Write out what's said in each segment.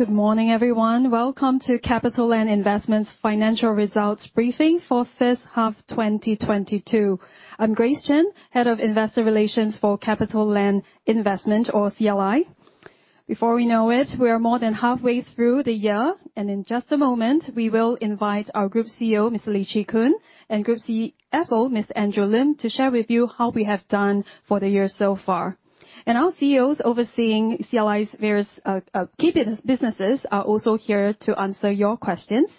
Good morning, everyone. Welcome to CapitaLand Investment's financial results briefing for first half 2022. I'm Grace Chen, Head of Investor Relations for CapitaLand Investment or CLI. Before we know it, we are more than halfway through the year, and in just a moment, we will invite our Group CEO, Mr. Lee Chee Koon, and Group CFO, Mr. Andrew Lim, to share with you how we have done for the year so far. Our CEOs overseeing CLI's various key businesses are also here to answer your questions.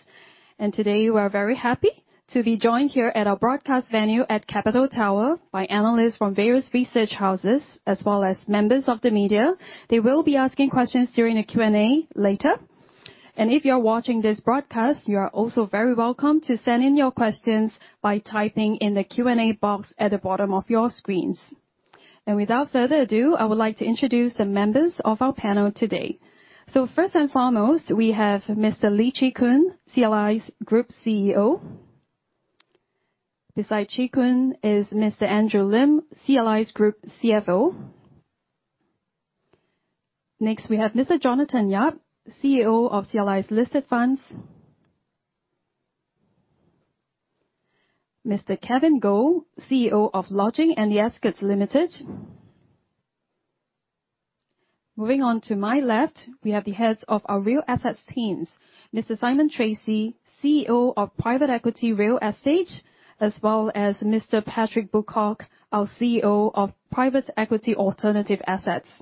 Today, we are very happy to be joined here at our broadcast venue at Capital Tower by analysts from various research houses, as well as members of the media. They will be asking questions during the Q&A later. If you are watching this broadcast, you are also very welcome to send in your questions by typing in the Q&A box at the bottom of your screens. Without further ado, I would like to introduce the members of our panel today. First and foremost, we have Mr. Lee Chee Koon, CLI's Group CEO. Beside Chee Koon is Mr. Andrew Lim, CLI's Group CFO. Next, we have Mr. Jonathan Yap, CEO of CLI's Listed Funds. Mr. Kevin Goh, CEO of Lodging and The Ascott Limited. Moving on to my left, we have the heads of our real assets teams. Mr. Simon Treacy, CEO of Private Equity Real Estate, as well as Mr. Patrick Boocock, our CEO of Private Equity Alternative Assets.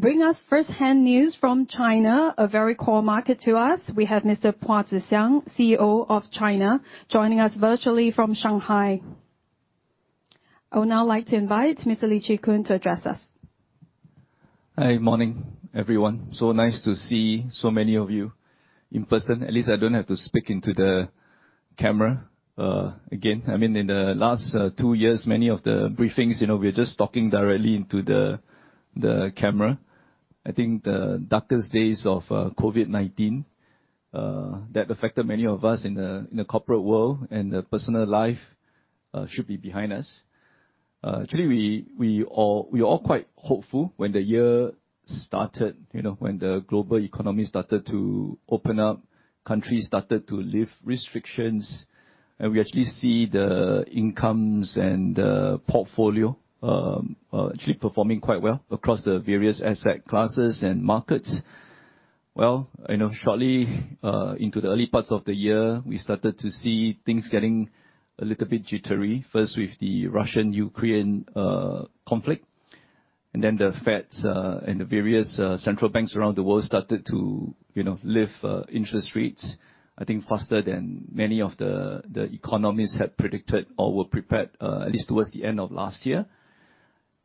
Bring us first-hand news from China, a very core market to us, we have Mr. Puah Tze Shyang, CEO of China, joining us virtually from Shanghai. I would now like to invite Mr. Lee Chee Koon to address us. Hi. Morning, everyone. Nice to see so many of you in person. At least I don't have to speak into the camera, again. I mean, in the last two years, many of the briefings, you know, we're just talking directly into the camera. I think the darkest days of COVID-19 that affected many of us in the corporate world and personal life should be behind us. Actually, we all quite hopeful when the year started, you know, when the global economy started to open up, countries started to lift restrictions, and we actually see the incomes and the portfolio actually performing quite well across the various asset classes and markets. Well, you know, shortly into the early parts of the year, we started to see things getting a little bit jittery, first with the Russian-Ukrainian conflict, and then the Fed and the various central banks around the world started to, you know, lift interest rates, I think faster than many of the economists had predicted or were prepared at least towards the end of last year.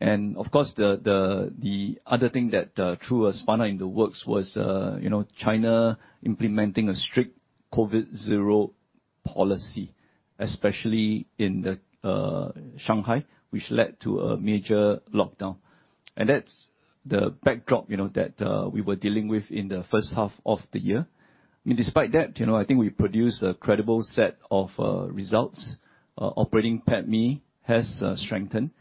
Of course, the other thing that threw a spanner in the works was, you know, China implementing a strict zero-COVID policy, especially in Shanghai, which led to a major lockdown. That's the backdrop, you know, that we were dealing with in the first half of the year. I mean, despite that, you know, I think we produced a credible set of results. Operating PATMI has strengthened,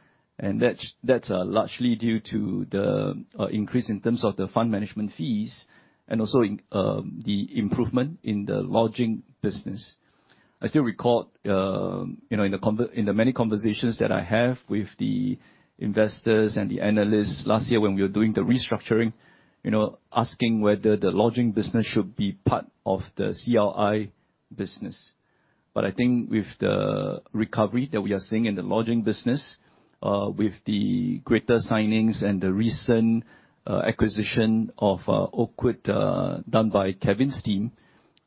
and that's largely due to the increase in terms of the fund management fees and also in the improvement in the lodging business. I still recall, you know, in the many conversations that I have with the investors and the analysts last year when we were doing the restructuring, you know, asking whether the lodging business should be part of the CLI business. I think with the recovery that we are seeing in the lodging business, with the greater signings and the recent acquisition of Oakwood done by Kevin's team,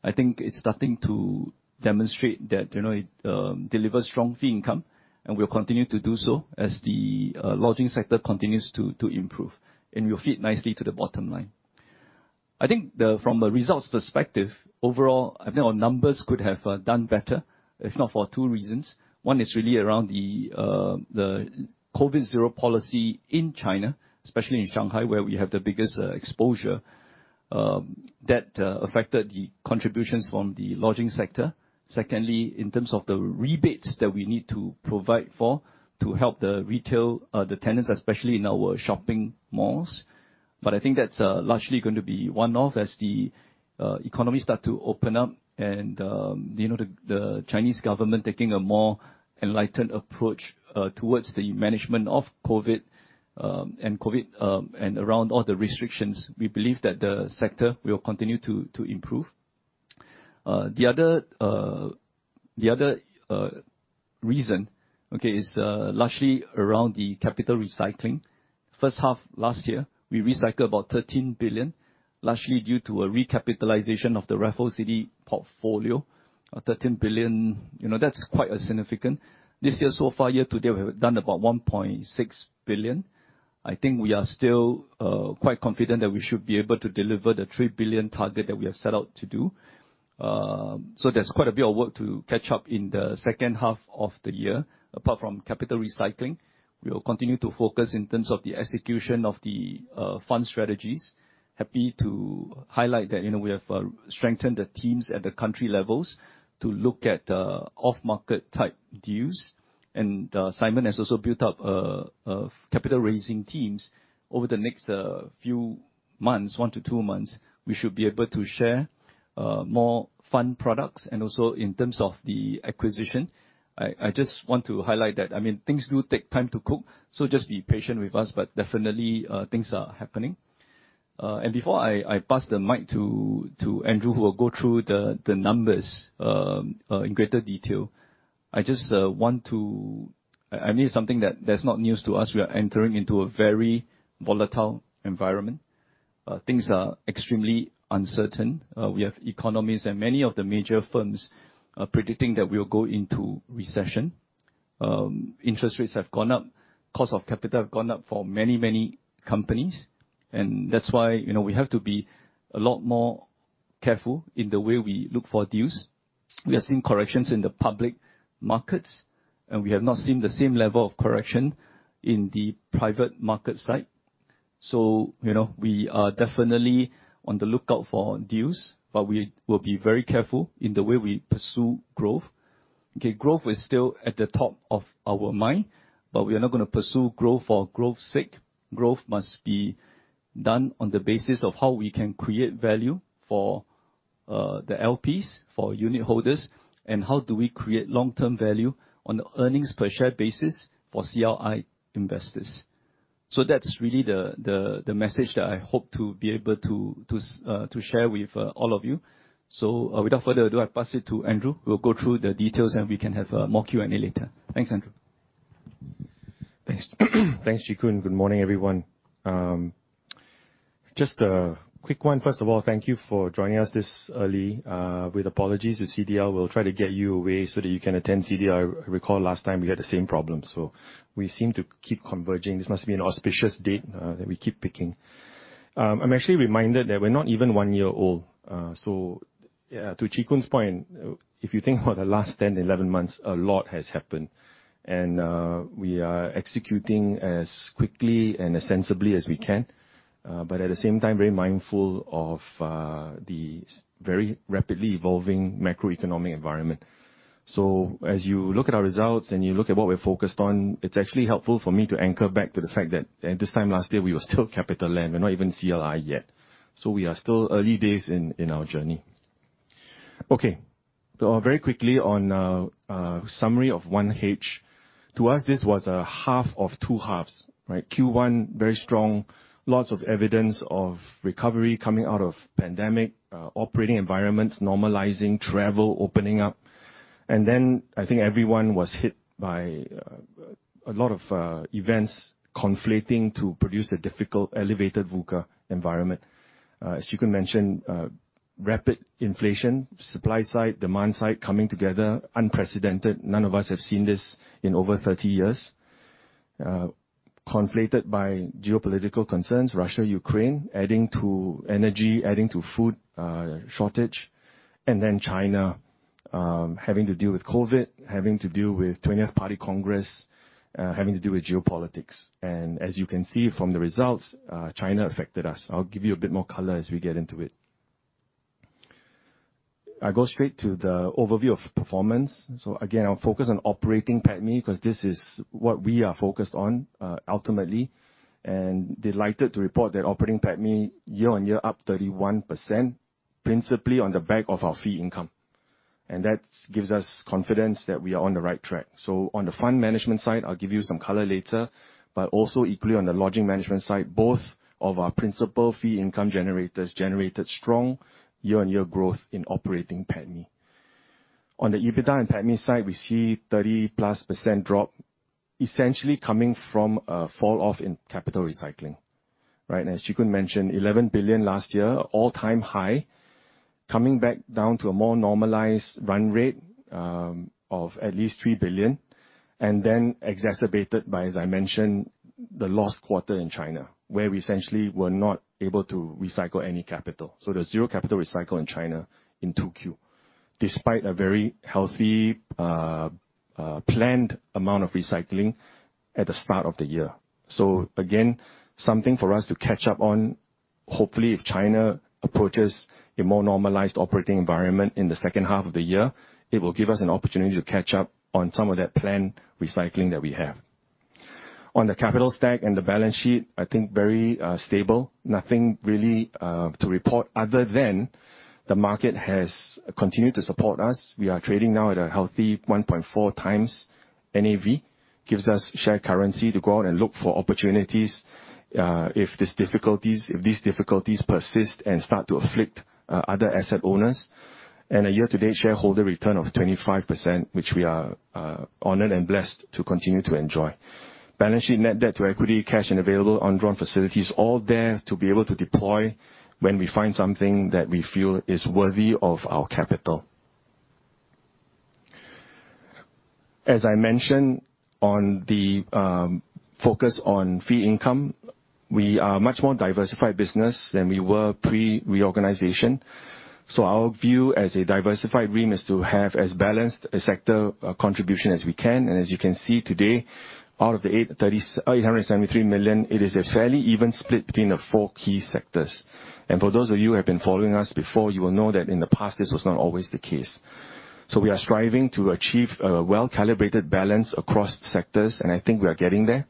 I think it's starting to demonstrate that, you know, it delivers strong fee income and will continue to do so as the lodging sector continues to improve and will fit nicely to the bottom line. I think from a results perspective, overall, I think our numbers could have done better if not for two reasons. One is really around the zero-COVID policy in China, especially in Shanghai, where we have the biggest exposure. That affected the contributions from the lodging sector. Secondly, in terms of the rebates that we need to provide for to help the retail tenants, especially in our shopping malls. I think that's largely gonna be one-off as the economy start to open up and, you know, the Chinese government taking a more enlightened approach towards the management of COVID and around all the restrictions. We believe that the sector will continue to improve. The other reason is largely around the capital recycling. First half last year, we recycled about 13 billion, largely due to a recapitalization of the Raffles City portfolio. 13 billion, you know, that's quite a significant. This year, so far, year to date, we have done about 1.6 billion. I think we are still quite confident that we should be able to deliver the 3 billion target that we have set out to do. So there's quite a bit of work to catch up in the second half of the year. Apart from capital recycling, we will continue to focus in terms of the execution of the fund strategies. Happy to highlight that, you know, we have strengthened the teams at the country levels to look at off-market type deals. Simon has also built up a capital raising teams over the next few months. In one to two months, we should be able to share more fund products. Also in terms of the acquisition, I just want to highlight that, I mean, things do take time to cook, so just be patient with us, but definitely, things are happening. Before I pass the mic to Andrew, who will go through the numbers in greater detail, I just want to. I mean, something that's not news to us, we are entering into a very volatile environment, things are extremely uncertain. We have economists and many of the major firms are predicting that we'll go into recession. Interest rates have gone up, cost of capital have gone up for many, many companies, and that's why, you know, we have to be a lot more careful in the way we look for deals. We are seeing corrections in the public markets, and we have not seen the same level of correction in the private market side. You know, we are definitely on the lookout for deals, but we will be very careful in the way we pursue growth. Okay. Growth is still at the top of our mind, but we are not gonna pursue growth for growth's sake. Growth must be done on the basis of how we can create value for, the LPs, for unit holders, and how do we create long-term value on the earnings per share basis for CLI investors. That's really the message that I hope to be able to share with all of you. Without further ado, I pass it to Andrew, who will go through the details, and we can have more Q&A later. Thanks, Andrew. Thanks. Thanks, Chee Koon. Good morning, everyone. Just a quick one. First of all, thank you for joining us this early. With apologies to CDL, we'll try to get you away so that you can attend CDL. Recall last time we had the same problem, so we seem to keep converging. This must be an auspicious date that we keep picking. I'm actually reminded that we're not even one year old. To Chee Koon's point, if you think about the last 10-11 months, a lot has happened. We are executing as quickly and as sensibly as we can, but at the same time, very mindful of the very rapidly evolving macroeconomic environment. As you look at our results and you look at what we're focused on, it's actually helpful for me to anchor back to the fact that at this time last year, we were still CapitaLand. We're not even CLI yet. We are still early days in our journey. Okay. Very quickly on summary of 1H. To us, this was a half of two halves, right? Q1, very strong, lots of evidence of recovery coming out of pandemic, operating environments normalizing, travel opening up. I think everyone was hit by a lot of events conflating to produce a difficult elevated VUCA environment. As Chee Koon mentioned, rapid inflation, supply side, demand side coming together, unprecedented. None of us have seen this in over 30 years. Compounded by geopolitical concerns, Russia, Ukraine, adding to energy, adding to food, shortage, and then China, having to deal with COVID, having to deal with 20th Party Congress, having to deal with geopolitics. As you can see from the results, China affected us. I'll give you a bit more color as we get into it. I go straight to the overview of performance. Again, I'll focus on operating PATMI because this is what we are focused on, ultimately. Delighted to report that operating PATMI year-on-year up 31%, principally on the back of our fee income. That gives us confidence that we are on the right track. On the fund management side, I'll give you some color later, but also equally on the lodging management side, both of our principal fee income generators generated strong year-on-year growth in operating PATMI. On the EBITDA and PATMI side, we see 30%+ drop, essentially coming from a fall off in capital recycling, right? As Chee Koon mentioned, 11 billion last year, all-time high, coming back down to a more normalized run rate of at least 3 billion, and then exacerbated by, as I mentioned, the lost quarter in China, where we essentially were not able to recycle any capital. There's zero capital recycle in China in 2Q, despite a very healthy planned amount of recycling at the start of the year. Again, something for us to catch up on. Hopefully, if China approaches a more normalized operating environment in the second half of the year, it will give us an opportunity to catch up on some of that planned recycling that we have. On the capital stack and the balance sheet, I think very stable. Nothing really to report other than the market has continued to support us. We are trading now at a healthy 1.4x NAV, gives us share currency to go out and look for opportunities, if these difficulties persist and start to afflict other asset owners. A year-to-date shareholder return of 25%, which we are honored and blessed to continue to enjoy. Balance sheet net debt to equity, cash and available undrawn facilities, all there to be able to deploy when we find something that we feel is worthy of our capital. As I mentioned on the focus on fee income, we are much more diversified business than we were pre-reorganization. Our view as a diversified REIT is to have as balanced a sector contribution as we can. As you can see today, out of the 873 million, it is a fairly even split between the four key sectors. For those of you who have been following us before, you will know that in the past, this was not always the case. We are striving to achieve a well-calibrated balance across sectors, and I think we are getting there.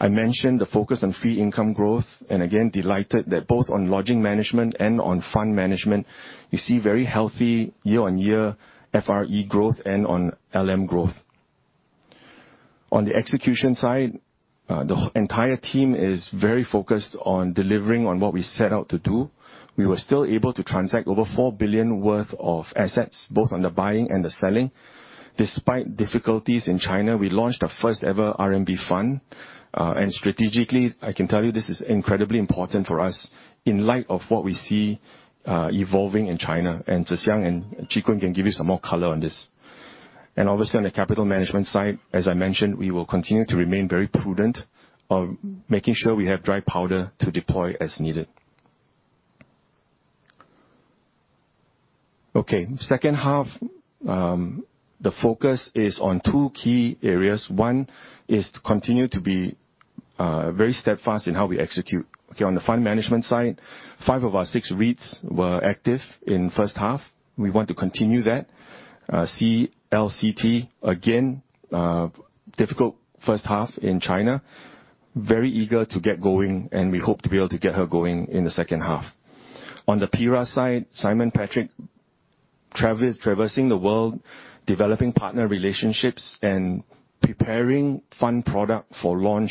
I mentioned the focus on fee income growth, and again, delighted that both on lodging management and on fund management, you see very healthy year-over-year FRE growth and on LM growth. On the execution side, the entire team is very focused on delivering on what we set out to do. We were still able to transact over 4 billion worth of assets, both on the buying and the selling. Despite difficulties in China, we launched our first ever RMB fund. Strategically, I can tell you this is incredibly important for us in light of what we see evolving in China. Puah Tze Shyang and Lee Chee Koon can give you some more color on this. Obviously on the capital management side, as I mentioned, we will continue to remain very prudent of making sure we have dry powder to deploy as needed. Okay, second half, the focus is on two key areas. One is to continue to be very steadfast in how we execute. Okay, on the fund management side, five of our six REITs were active in first half. We want to continue that. CLCT, again, difficult first half in China. Very eager to get going, and we hope to be able to get her going in the second half. On the PERA side, Simon Treacy, Patrick Boocock traversing the world, developing partner relationships and preparing fund product for launch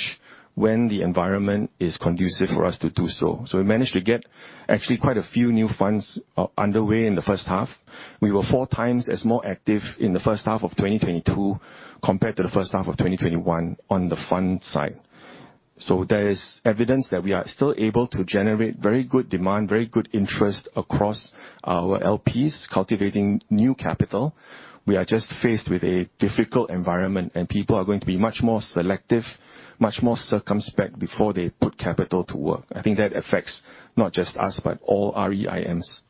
when the environment is conducive for us to do so. We managed to get actually quite a few new funds underway in the first half. We were four times as more active in the first half of 2022 compared to the first half of 2021 on the fund side. There is evidence that we are still able to generate very good demand, very good interest across our LPs, cultivating new capital. We are just faced with a difficult environment, and people are going to be much more selective, much more circumspect before they put capital to work. I think that affects not just us, but all REIMs.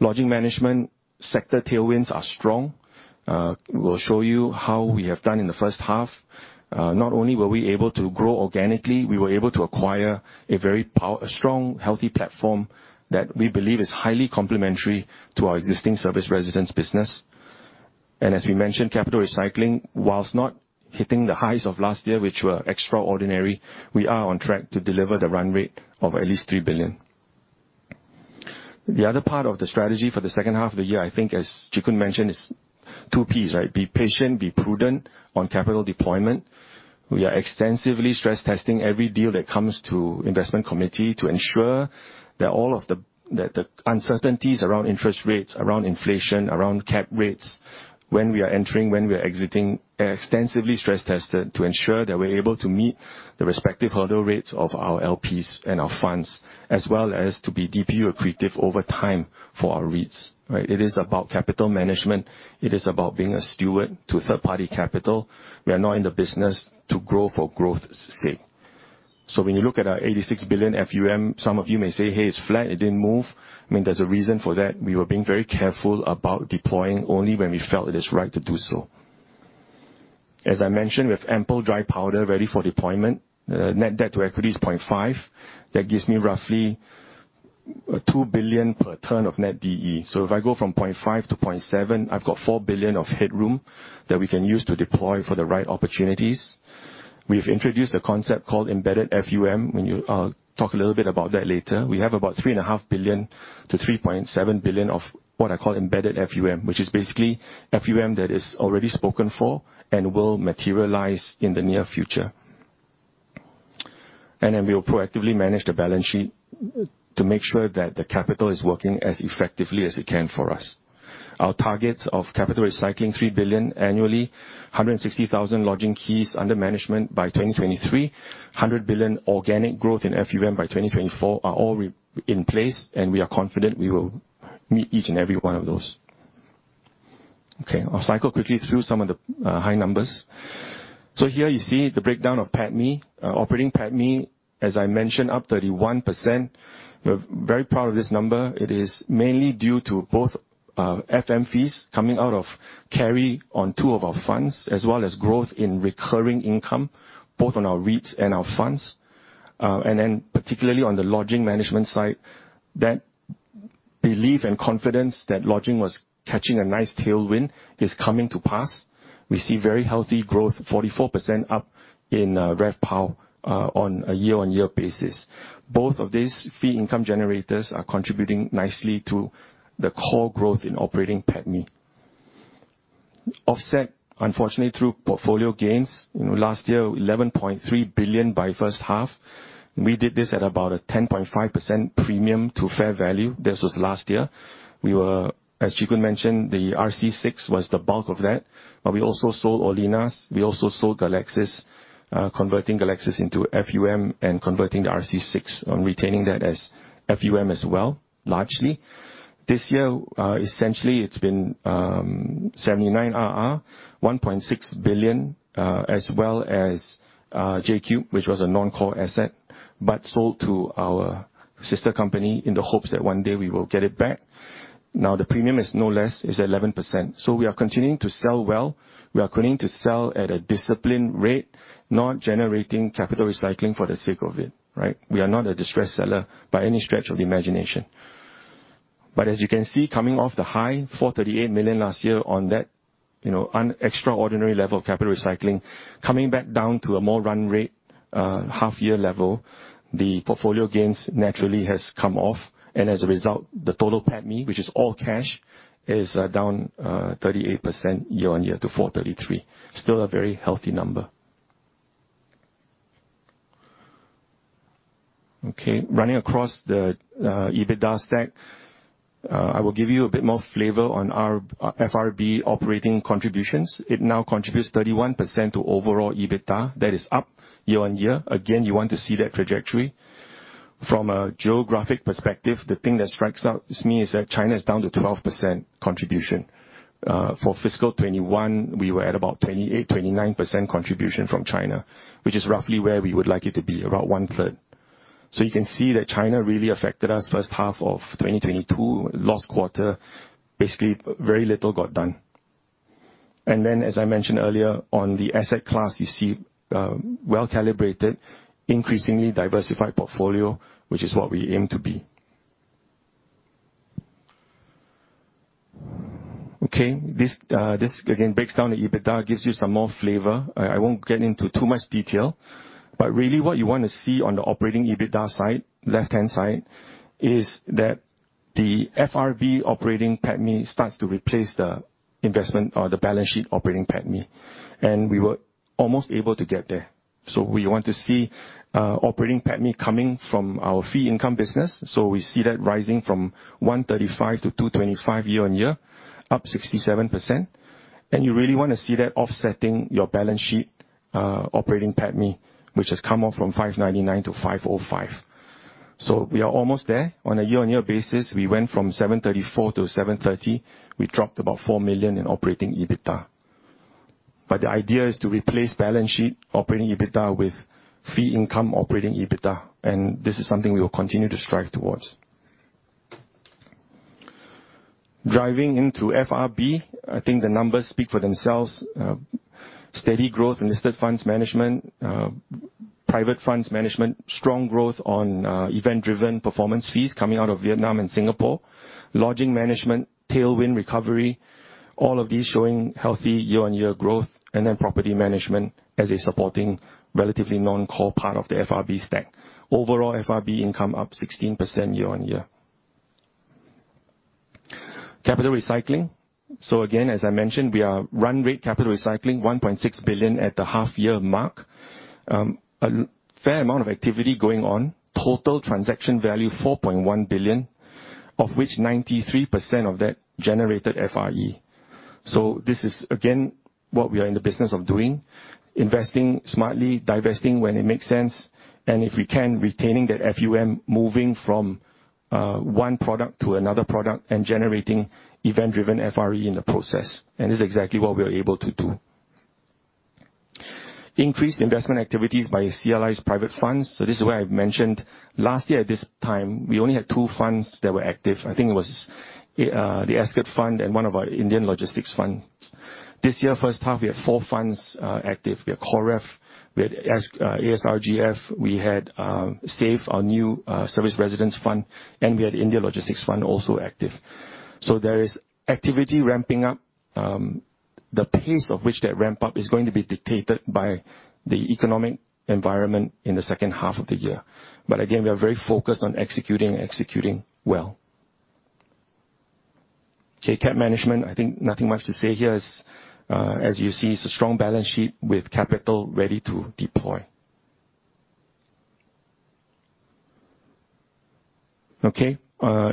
Lodging management sector tailwinds are strong. We'll show you how we have done in the first half. Not only were we able to grow organically, we were able to acquire a strong, healthy platform that we believe is highly complementary to our existing serviced residence business. As we mentioned, capital recycling, while not hitting the highs of last year, which were extraordinary, we are on track to deliver the run rate of at least 3 billion. The other part of the strategy for the second half of the year, I think as Lee Chee Koon mentioned, is two Ps, right? Be patient, be prudent on capital deployment. We are extensively stress testing every deal that comes to investment committee to ensure that all of the uncertainties around interest rates, around inflation, around cap rates, when we are entering, when we are exiting, are extensively stress tested to ensure that we're able to meet the respective hurdle rates of our LPs and our funds, as well as to be DPU accretive over time for our REITs, right? It is about capital management. It is about being a steward to third-party capital. We are not in the business to grow for growth's sake. When you look at our 86 billion FUM, some of you may say, "Hey, it's flat, it didn't move." I mean, there's a reason for that. We were being very careful about deploying only when we felt it is right to do so. As I mentioned, we have ample dry powder ready for deployment. Net debt to equity is 0.5. That gives me roughly 2 billion per turn of net D/E. If I go from 0.5-0.7, I've got 4 billion of headroom that we can use to deploy for the right opportunities. We've introduced a concept called embedded FUM, and we'll talk a little bit about that later. We have about 3.5 billion-3.7 billion of what I call embedded FUM, which is basically FUM that is already spoken for and will materialize in the near future. Then we will proactively manage the balance sheet to make sure that the capital is working as effectively as it can for us. Our targets of capital recycling, 3 billion annually, 160,000 lodging keys under management by 2023, 100 billion organic growth in FUM by 2024 are all in place, and we are confident we will meet each and every one of those. Okay, I'll cycle quickly through some of the high numbers. So here you see the breakdown of PATMI, operating PATMI, as I mentioned, up 31%. We're very proud of this number. It is mainly due to both FM fees coming out of carry on two of our funds, as well as growth in recurring income, both on our REITs and our funds. And then particularly on the lodging management side, that belief and confidence that lodging was catching a nice tailwind is coming to pass. We see very healthy growth, 44% up in RevPAR, on a year-on-year basis. Both of these fee income generators are contributing nicely to the core growth in operating PATMI. Offset, unfortunately, through portfolio gains. You know, last year, 11.3 billion in first half. We did this at about a 10.5% premium to fair value. This was last year. We were, as Lee Chee Koon mentioned, the RC6 was the bulk of that, but we also sold Olinas Mall. We also sold Galaxis, converting Galaxis into FUM and converting the RC6 by retaining that as FUM as well, largely. This year, essentially it's been 79 RR, 1.6 billion, as well as JCube, which was a non-core asset, but sold to our sister company in the hopes that one day we will get it back. Now the premium is no less, it's 11%. We are continuing to sell well. We are continuing to sell at a disciplined rate, not generating capital recycling for the sake of it, right? We are not a distressed seller by any stretch of the imagination. As you can see, coming off the high, 438 million last year on that, you know, an extraordinary level of capital recycling, coming back down to a more run rate, half year level, the portfolio gains naturally has come off. As a result, the total PATMI, which is all cash, is down 38% year-on-year to 433 million. Still a very healthy number. Okay. Running across the EBITDA stack, I will give you a bit more flavor on our FRB operating contributions. It now contributes 31% to overall EBITDA. That is up year-on-year. You want to see that trajectory. From a geographic perspective, the thing that strikes me is that China is down to 12% contribution. For fiscal 2021, we were at about 28%, 29% contribution from China, which is roughly where we would like it to be, around one-third. You can see that China really affected us first half of 2022. Last quarter, basically, very little got done. Then, as I mentioned earlier, on the asset class, you see well-calibrated, increasingly diversified portfolio, which is what we aim to be. Okay. This again breaks down the EBITDA, gives you some more flavor. I won't get into too much detail, but really what you wanna see on the operating EBITDA side, left-hand side, is that the FRB operating PATMI starts to replace the investment or the balance sheet operating PATMI. We were almost able to get there. We want to see operating PATMI coming from our fee income business. We see that rising from 135-225 year-on-year, up 67%. You really wanna see that offsetting your balance sheet operating PATMI, which has come off from 599-505. We are almost there. On a year-on-year basis, we went from 734-730. We dropped about 4 million in operating EBITDA. The idea is to replace balance sheet operating EBITDA with fee income operating EBITDA, and this is something we will continue to strive towards. Driving into FRB, I think the numbers speak for themselves. Steady growth in listed funds management, private funds management, strong growth on event-driven performance fees coming out of Vietnam and Singapore, lodging management, tailwind recovery, all of these showing healthy year-on-year growth, and then property management as a supporting relatively non-core part of the FRB stack. Overall FRB income up 16% year-on-year. Capital recycling. Again, as I mentioned, we are run rate capital recycling 1.6 billion at the half year mark. A fair amount of activity going on. Total transaction value, 4.1 billion, of which 93% of that generated FRE. This is again what we are in the business of doing, investing smartly, divesting when it makes sense, and if we can, retaining that FUM, moving from one product to another product and generating event-driven FRE in the process. This is exactly what we are able to do. Increased investment activities by CLI's private funds. This is where I mentioned last year at this time, we only had two funds that were active. I think it was the ESCAP fund and one of our Indian logistics funds. This year, first half we had four funds active. We had COREF, we had ASRGF, we had SAVE, our new serviced residence fund, and we had India Logistics Fund also active. There is activity ramping up, the pace of which that ramp up is going to be dictated by the economic environment in the second half of the year. But again, we are very focused on executing and executing well. Okay. Capital management, I think nothing much to say here. As you see, it's a strong balance sheet with capital ready to deploy. Okay.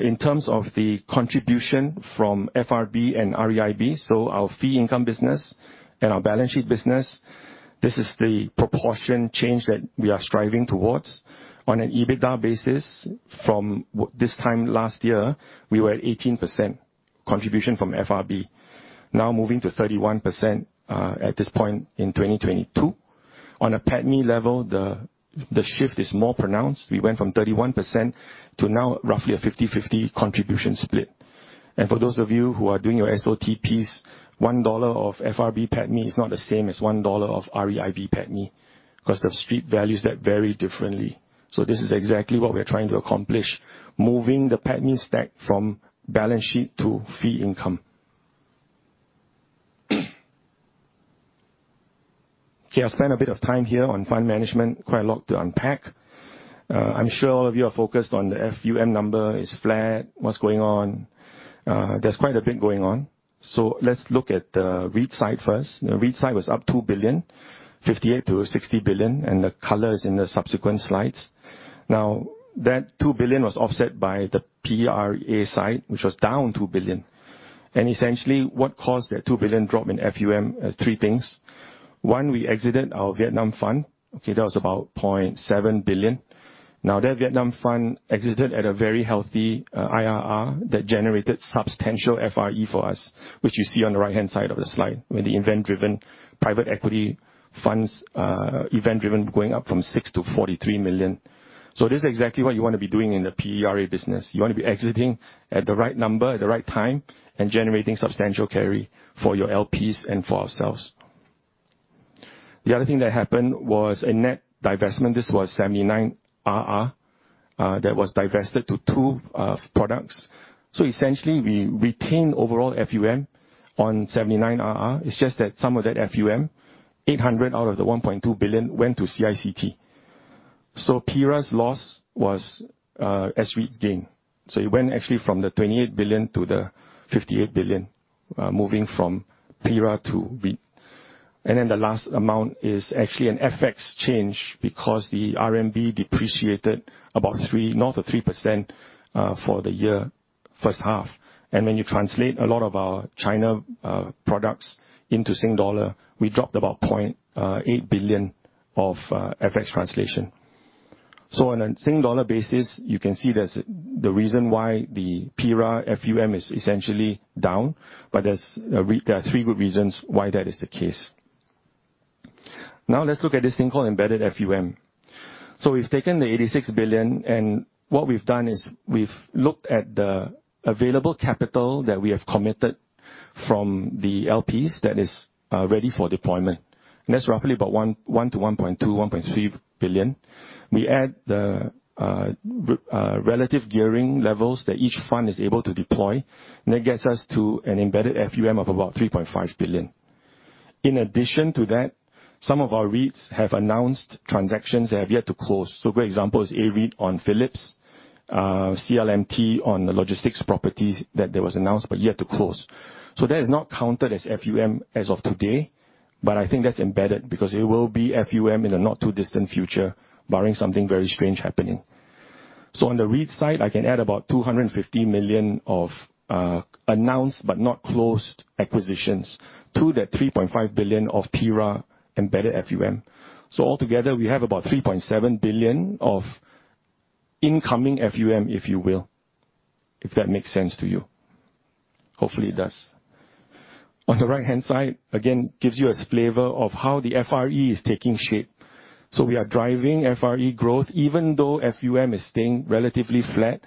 In terms of the contribution from FRB and REIB, so our fee income business and our balance sheet business, this is the proportion change that we are striving towards. On an EBITDA basis, from this time last year, we were at 18% contribution from FRB, now moving to 31%, at this point in 2022. On a PATMI level, the shift is more pronounced. We went from 31% to now roughly a 50-50 contribution split. For those of you who are doing your SOTPs, one dollar of FRB PATMI is not the same as one dollar of REIB PATMI, because the street values that vary differently. This is exactly what we're trying to accomplish, moving the PATMI stack from balance sheet to fee income. Okay. I'll spend a bit of time here on fund management. Quite a lot to unpack. I'm sure all of you are focused on the FUM number. It's flat. What's going on? There's quite a bit going on. Let's look at the REIT side first. The REIT side was up 2 billion, 58 billion-60 billion, and the color is in the subsequent slides. Now, that 2 billion was offset by the PRA side, which was down 2 billion. Essentially what caused that 2 billion drop in FUM is three things. One, we exited our Vietnam fund. Okay, that was about 0.7 billion. Now that Vietnam fund exited at a very healthy IRR that generated substantial FRE for us, which you see on the right-hand side of the slide, where the event-driven private equity funds going up from 6 million-43 million. This is exactly what you wanna be doing in the PERA business. You wanna be exiting at the right number, at the right time, and generating substantial carry for your LPs and for ourselves. The other thing that happened was a net divestment. This was 79 Robinson Road that was divested to two products. Essentially we retained overall FUM on 79 RR. It's just that some of that FUM, 800 million out of the 1.2 billion, went to CICT. PERA's loss was, as REIT gained. It went actually from the 28 billion to the 58 billion, moving from PERA to REIT. The last amount is actually an FX change because the RMB depreciated about north of 3% for the year first half. When you translate a lot of our China products into Singapore dollar, we dropped about 0.8 billion of FX translation. On a Singapore dollar basis, you can see there's the reason why the PERA FUM is essentially down, but there are three good reasons why that is the case. Now let's look at this thing called embedded FUM. We've taken the 86 billion, and what we've done is we've looked at the available capital that we have committed from the LPs that is ready for deployment. That's roughly about 1-1.2 to 1.3 billion. We add the relative gearing levels that each fund is able to deploy, and that gets us to an embedded FUM of about 3.5 billion. In addition to that, some of our REITs have announced transactions they have yet to close. A great example is AREIT on Philips, CLMT on the logistics properties that there was announced, but yet to close. That is not counted as FUM as of today, but I think that's embedded because it will be FUM in the not too distant future barring something very strange happening. On the REIT side, I can add about 250 million of announced but not closed acquisitions to that 3.5 billion of PERA embedded FUM. Altogether, we have about 3.7 billion of incoming FUM, if you will, if that makes sense to you. Hopefully it does. On the right-hand side, again, gives you a flavor of how the FRE is taking shape. We are driving FRE growth. Even though FUM is staying relatively flat,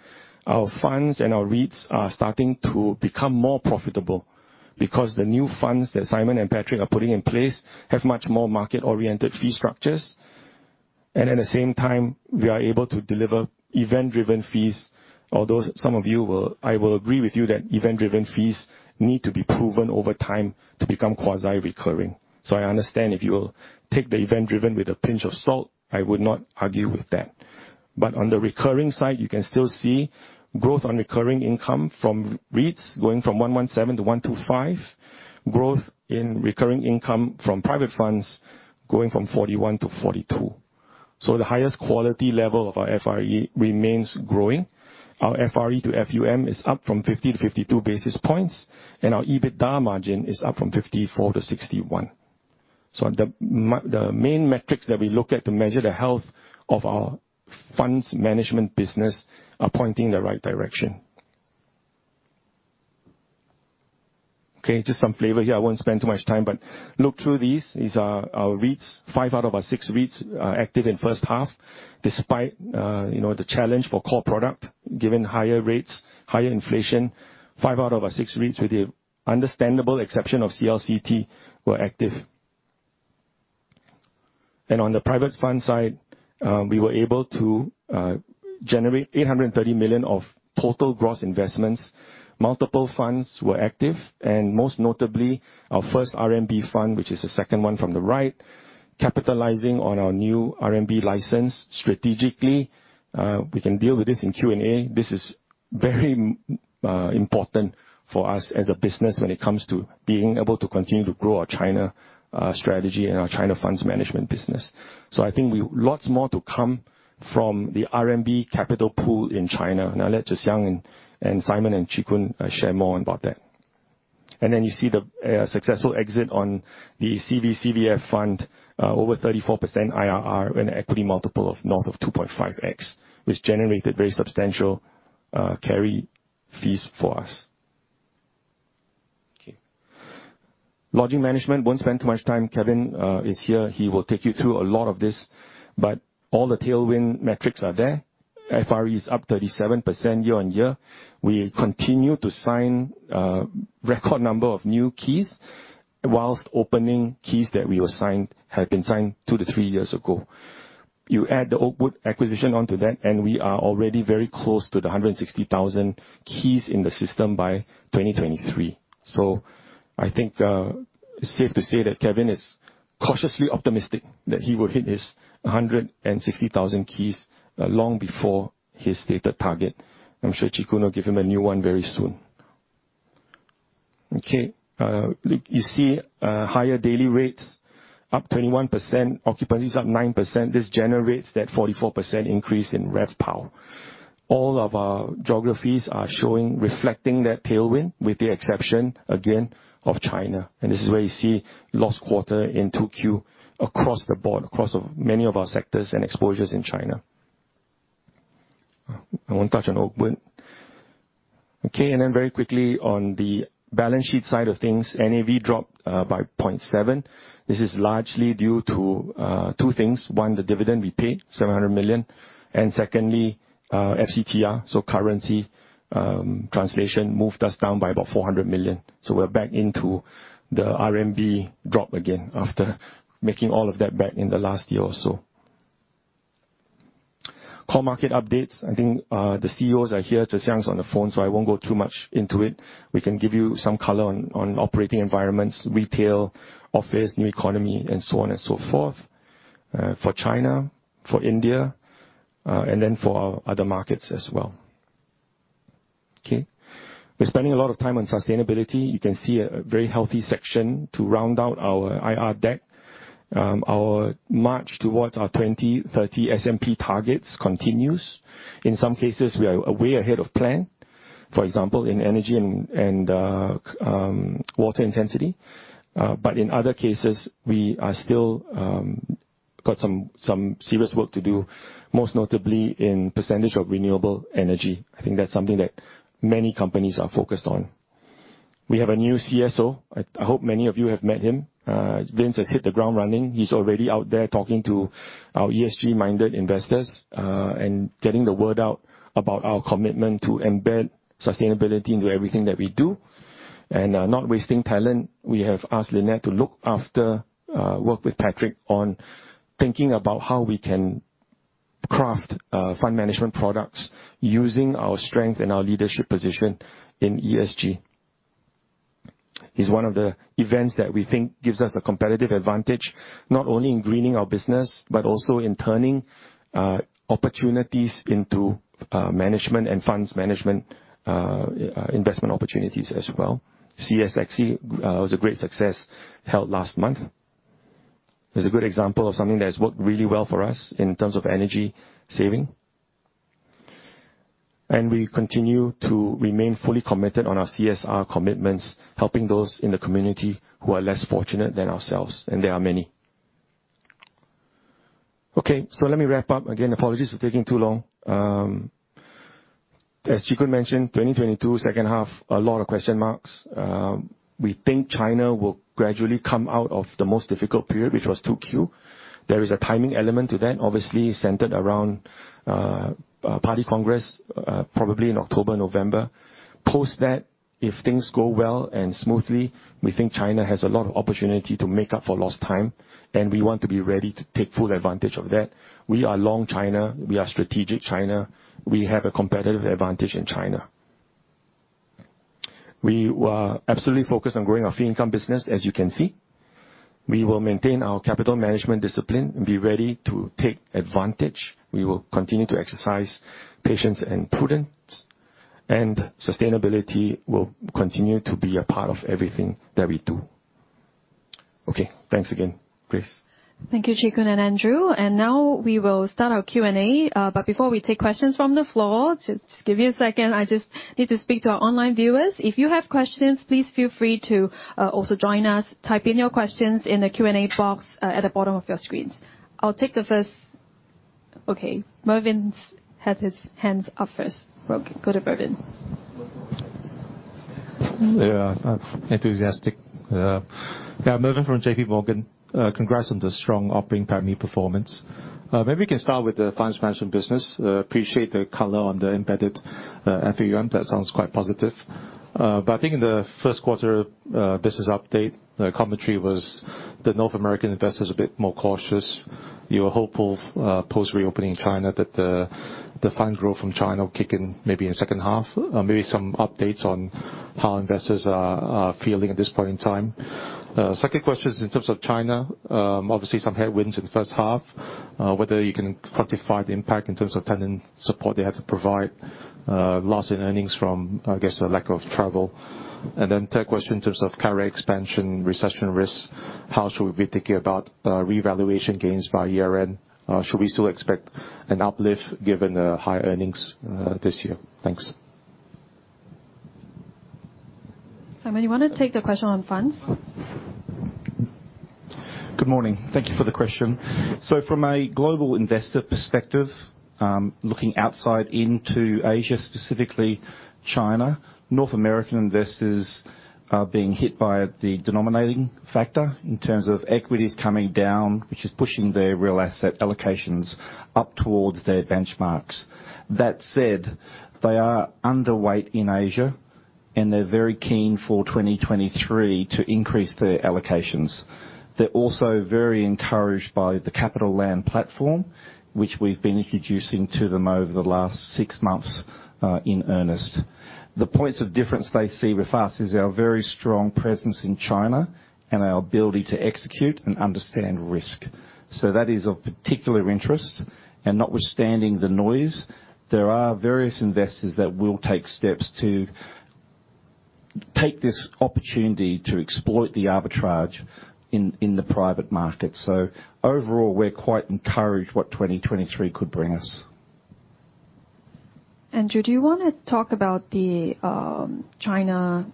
our funds and our REITs are starting to become more profitable because the new funds that Simon and Patrick are putting in place have much more market-oriented fee structures. At the same time, we are able to deliver event-driven fees. Although some of you will, I will agree with you that event-driven fees need to be proven over time to become quasi-recurring. I understand if you will take the event-driven with a pinch of salt, I would not argue with that. On the recurring side, you can still see growth on recurring income from REITs going from 117 to 125, growth in recurring income from private funds going from 41 to 42. The highest quality level of our FRE remains growing. Our FRE to FUM is up from 50 to 52 basis points, and our EBITDA margin is up from 54%-61%. The main metrics that we look at to measure the health of our funds management business are pointing in the right direction. Just some flavor here. I won't spend too much time, but look through these. These are our REITs. Five out of our six REITs are active in first half despite the challenge for core product. Given higher rates, higher inflation, five out of our six REITs, with the understandable exception of CLCT, were active. On the private fund side, we were able to generate 830 million of total gross investments. Multiple funds were active, and most notably our first RMB fund, which is the second one from the right, capitalizing on our new RMB license strategically. We can deal with this in Q&A. This is very important for us as a business when it comes to being able to continue to grow our China strategy and our China funds management business. I think lots more to come from the RMB capital pool in China. Now I'll let Tze Shyang and Simon and Chee Koon share more about that. You see the successful exit on the CVCVF fund, over 34% IRR and an equity multiple of north of 2.5x, which generated very substantial carry fees for us. Okay. Lodging management, won't spend too much time. Kevin is here. He will take you through a lot of this, but all the tailwind metrics are there. FRE is up 37% year-on-year. We continue to sign record number of new keys whilst opening keys that we assigned had been signed 2-3 years ago. You add the Oakwood acquisition onto that, and we are already very close to the 160,000 keys in the system by 2023. I think it's safe to say that Kevin is cautiously optimistic that he will hit his 160,000 keys long before his stated target. I'm sure Lee Chee Koon will give him a new one very soon. Higher daily rates up 21%, occupancy is up 9%. This generates that 44% increase in RevPAR. All of our geographies are showing, reflecting that tailwind, with the exception, again, of China. This is where you see last quarter in 2Q across the board, across many of our sectors and exposures in China. I won't touch on Oakwood. Okay, very quickly on the balance sheet side of things, NAV dropped by 0.7. This is largely due to two things. One, the dividend we paid, 700 million. Secondly, FCTR. Currency translation moved us down by about 400 million. We're back into the RMB drop again after making all of that back in the last year or so. Core market updates. I think the CEOs are here. Tze Shyang's on the phone, so I won't go too much into it. We can give you some color on operating environments, retail, office, new economy and so on and so forth, for China, for India, and then for our other markets as well. Okay. We're spending a lot of time on sustainability. You can see a very healthy section to round out our IR deck. Our march towards our 2030 SMP targets continues. In some cases, we are way ahead of plan. For example, in energy and water intensity. In other cases, we still got some serious work to do, most notably in percentage of renewable energy. I think that's something that many companies are focused on. We have a new CSO. I hope many of you have met him. Vince has hit the ground running. He's already out there talking to our ESG-minded investors, and getting the word out about our commitment to embed sustainability into everything that we do. Not wasting talent, we have asked Lynette to look after, work with Patrick on thinking about how we can craft, fund management products using our strength and our leadership position in ESG. It's one of the events that we think gives us a competitive advantage, not only in greening our business, but also in turning, opportunities into, management and funds management, investment opportunities as well. CSXC was a great success held last month. It's a good example of something that has worked really well for us in terms of energy saving. We continue to remain fully committed on our CSR commitments, helping those in the community who are less fortunate than ourselves, and there are many. Okay, let me wrap up. Again, apologies for taking too long. As Lee Chee Koon mentioned, 2022, second half, a lot of question marks. We think China will gradually come out of the most difficult period, which was 2Q. There is a timing element to that, obviously centered around a party congress, probably in October, November. Post that, if things go well and smoothly, we think China has a lot of opportunity to make up for lost time, and we want to be ready to take full advantage of that. We are long China. We are strategic China. We have a competitive advantage in China. We are absolutely focused on growing our fee income business, as you can see. We will maintain our capital management discipline and be ready to take advantage. We will continue to exercise patience and prudence. Sustainability will continue to be a part of everything that we do. Okay, thanks again, Grace. Thank you, Chee Koon and Andrew. Now we will start our Q&A. Before we take questions from the floor, just give me a second. I just need to speak to our online viewers. If you have questions, please feel free to also join us. Type in your questions in the Q&A box at the bottom of your screens. Okay, Mervin's had his hands up first. We'll go to Mervin. Yeah, enthusiastic. Yeah, Mervin from JPMorgan. Congrats on the strong operating value performance. Maybe we can start with the funds management business. Appreciate the color on the embedded FUM. That sounds quite positive. I think in the first quarter business update, the commentary was the North American investor is a bit more cautious. You're hopeful post-reopening China that the fund growth from China will kick in maybe in second half. Maybe some updates on how investors are feeling at this point in time. Second question is in terms of China. Obviously some headwinds in the first half whether you can quantify the impact in terms of tenant support they had to provide, loss in earnings from, I guess, the lack of travel. Third question in terms of cap rate expansion, recession risks, how should we be thinking about revaluation gains by year-end? Should we still expect an uplift given the high earnings this year? Thanks. Simon, you wanna take the question on funds? Good morning. Thank you for the question. From a global investor perspective, looking outside into Asia, specifically China, North American investors are being hit by the denominating factor in terms of equities coming down, which is pushing their real asset allocations up towards their benchmarks. That said, they are underweight in Asia, and they're very keen for 2023 to increase their allocations. They're also very encouraged by the CapitaLand platform, which we've been introducing to them over the last six months, in earnest. The points of difference they see with us is our very strong presence in China and our ability to execute and understand risk. That is of particular interest. Notwithstanding the noise, there are various investors that will take steps to. Take this opportunity to exploit the arbitrage in the private market. Overall, we're quite encouraged what 2023 could bring us. Andrew, do you wanna talk about the China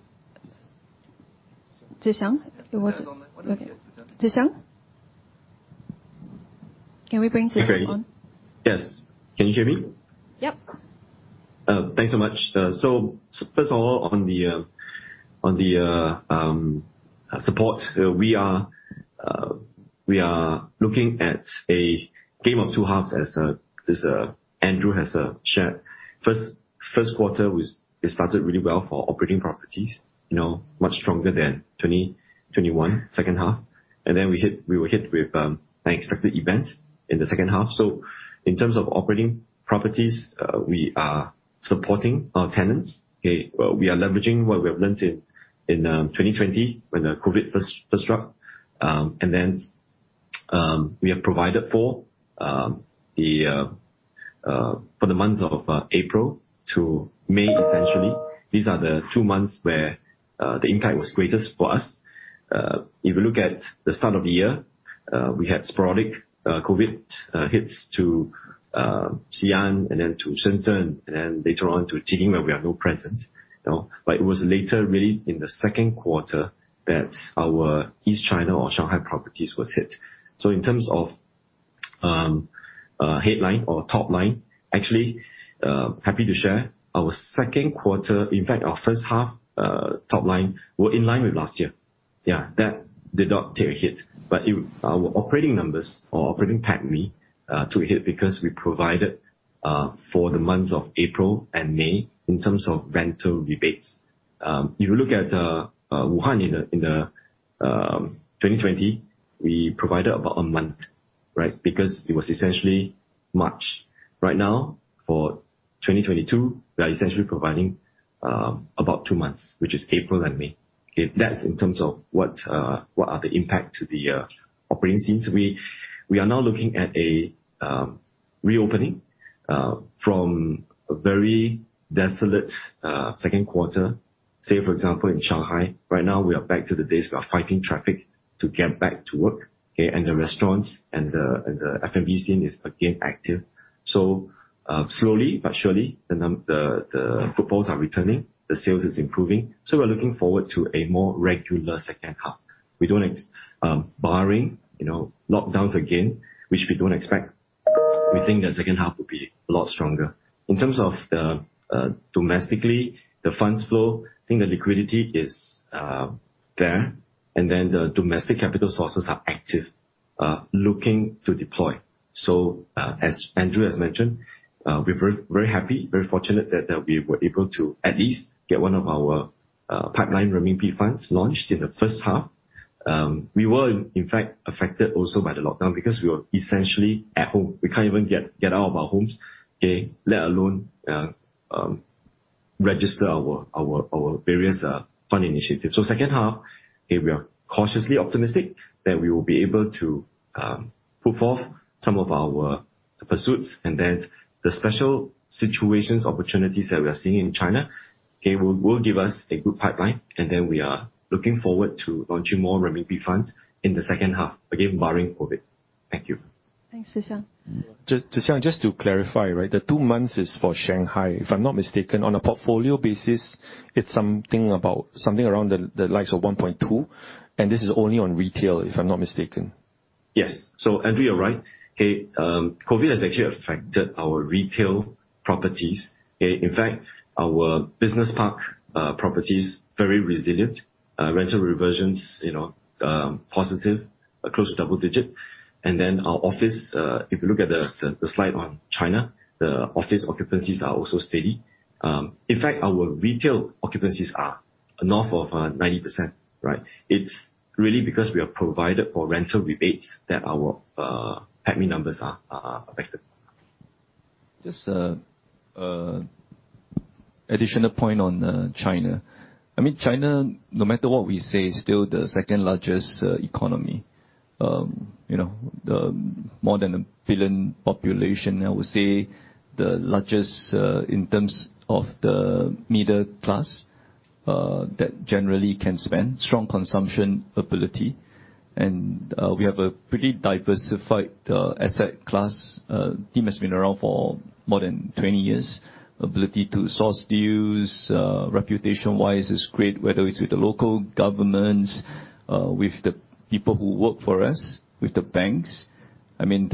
Puah Tze Shyang? Why don't you get Puah Tze Shyang? Puah Tze Shyang? Can we bring Puah Tze Shyang on? Yes. Can you hear me? Yep. Thanks so much. First of all, on the support, we are looking at a game of two halves as Andrew has shared. First quarter was. It started really well for operating properties, you know, much stronger than 2021 second half. Then we hit, we were hit with unexpected events in the second half. In terms of operating properties, we are supporting our tenants. Okay, we are leveraging what we have learned in 2020 when COVID first struck. Then we have provided for the months of April to May, essentially. These are the two months where the impact was greatest for us. If you look at the start of the year, we had sporadic COVID hits to Xi'an and then to Shenzhen, and then later on to Beijing, where we have no presence. You know? It was later really in the second quarter that our East China or Shanghai properties was hit. In terms of headline or top line, actually, happy to share our second quarter, in fact, our first half, top line were in line with last year. That did not take a hit. Our operating numbers or operating PATMI took a hit because we provided for the months of April and May in terms of rental rebates. If you look at Wuhan in the 2020, we provided about a month, right? Because it was essentially March. Right now, for 2022, we are essentially providing about two months, which is April and May. Okay? That's in terms of what the impact to the operating expenses. We are now looking at a reopening from a very desolate second quarter. Say, for example, in Shanghai, right now we are back to the days we are fighting traffic to get back to work. Okay? The restaurants and the F&B scene is again active. Slowly but surely, the footfalls are returning, the sales is improving, so we're looking forward to a more regular second half. Barring, you know, lockdowns again, which we don't expect. We think the second half will be a lot stronger. In terms of the domestic funds flow, I think the liquidity is there, and then the domestic capital sources are active looking to deploy. As Andrew has mentioned, we're very, very happy, very fortunate that we were able to at least get one of our pipeline renminbi funds launched in the first half. We were in fact affected also by the lockdown because we were essentially at home. We can't even get out of our homes, okay, let alone register our various fund initiatives. Second half, okay, we are cautiously optimistic that we will be able to move forward some of our pursuits and then the special situations, opportunities that we are seeing in China, okay, will give us a good pipeline, and then we are looking forward to launching more renminbi funds in the second half. Again, barring COVID. Thank you. Thanks, Puah Tze Shyang. Puah Tze Shyang, just to clarify, right, the two months is for Shanghai. If I'm not mistaken, on a portfolio basis, it's something about something around the likes of 1.2, and this is only on retail, if I'm not mistaken. Andrew, you're right. COVID has actually affected our retail properties. Our business park properties very resilient. Rental reversions, you know, positive, close to double digit. Our office, if you look at the slide on China, the office occupancies are also steady. In fact, our retail occupancies are north of 90%, right? It's really because we have provided for rental rebates that our PATMI numbers are affected. Just additional point on China. I mean, China, no matter what we say, is still the second-largest economy. You know, the more than 1 billion population, I would say the largest in terms of the middle class that generally can spend. Strong consumption ability. We have a pretty diversified asset class. Team has been around for more than 20 years. Ability to source deals. Reputation-wise is great, whether it's with the local governments, with the people who work for us, with the banks. I mean,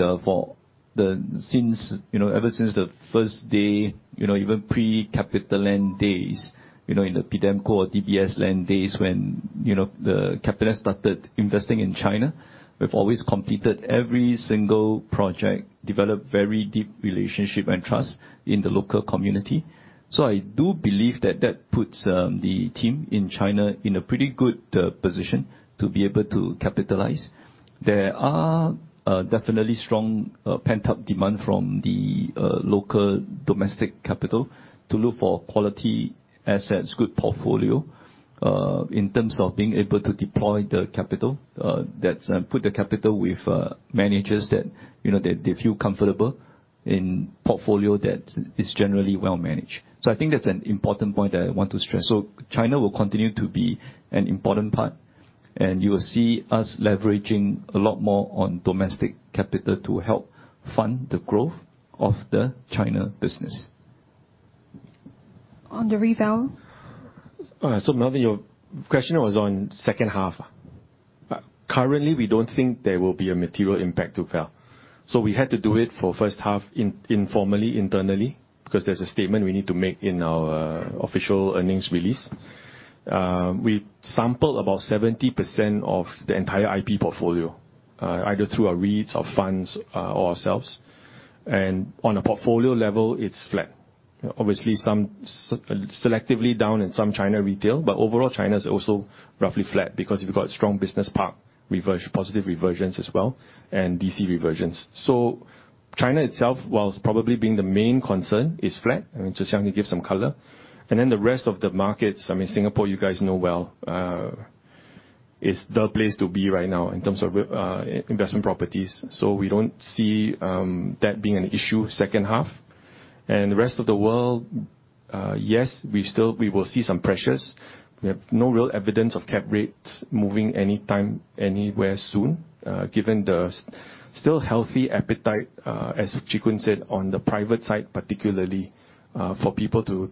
since, you know, ever since the first day, you know, even pre-CapitaLand days, you know, in the Pidemco or DBS Land days when, you know, CapitaLand started investing in China, we've always completed every single project, developed very deep relationship and trust in the local community. I do believe that that puts the team in China in a pretty good position to be able to capitalize. There are definitely strong pent-up demand from the local domestic capital to look for quality assets, good portfolio in terms of being able to deploy the capital that's put the capital with managers that you know they feel comfortable. In portfolio debt is generally well-managed. I think that's an important point that I want to stress. China will continue to be an important part, and you will see us leveraging a lot more on domestic capital to help fund the growth of the China business. On the reval? All right. Melvin, your question was on second half. Currently, we don't think there will be a material impact to valuation. We had to do it for first half informally, internally, because there's a statement we need to make in our official earnings release. We sampled about 70% of the entire IP portfolio, either through our REITs or funds, or ourselves. On a portfolio level, it's flat. Obviously, some selectively down in some China retail, but overall, China is also roughly flat because we've got strong business park positive reversions as well, and DC reversions. China itself, while probably being the main concern, is flat, and Lee Chee Koon give some color. Then the rest of the markets, I mean, Singapore, you guys know well, is the place to be right now in terms of investment properties. We don't see that being an issue second half. The rest of the world, yes, we still will see some pressures. We have no real evidence of cap rates moving anytime, anywhere soon, given the still healthy appetite, as Chee Koon said, on the private side, particularly, for people to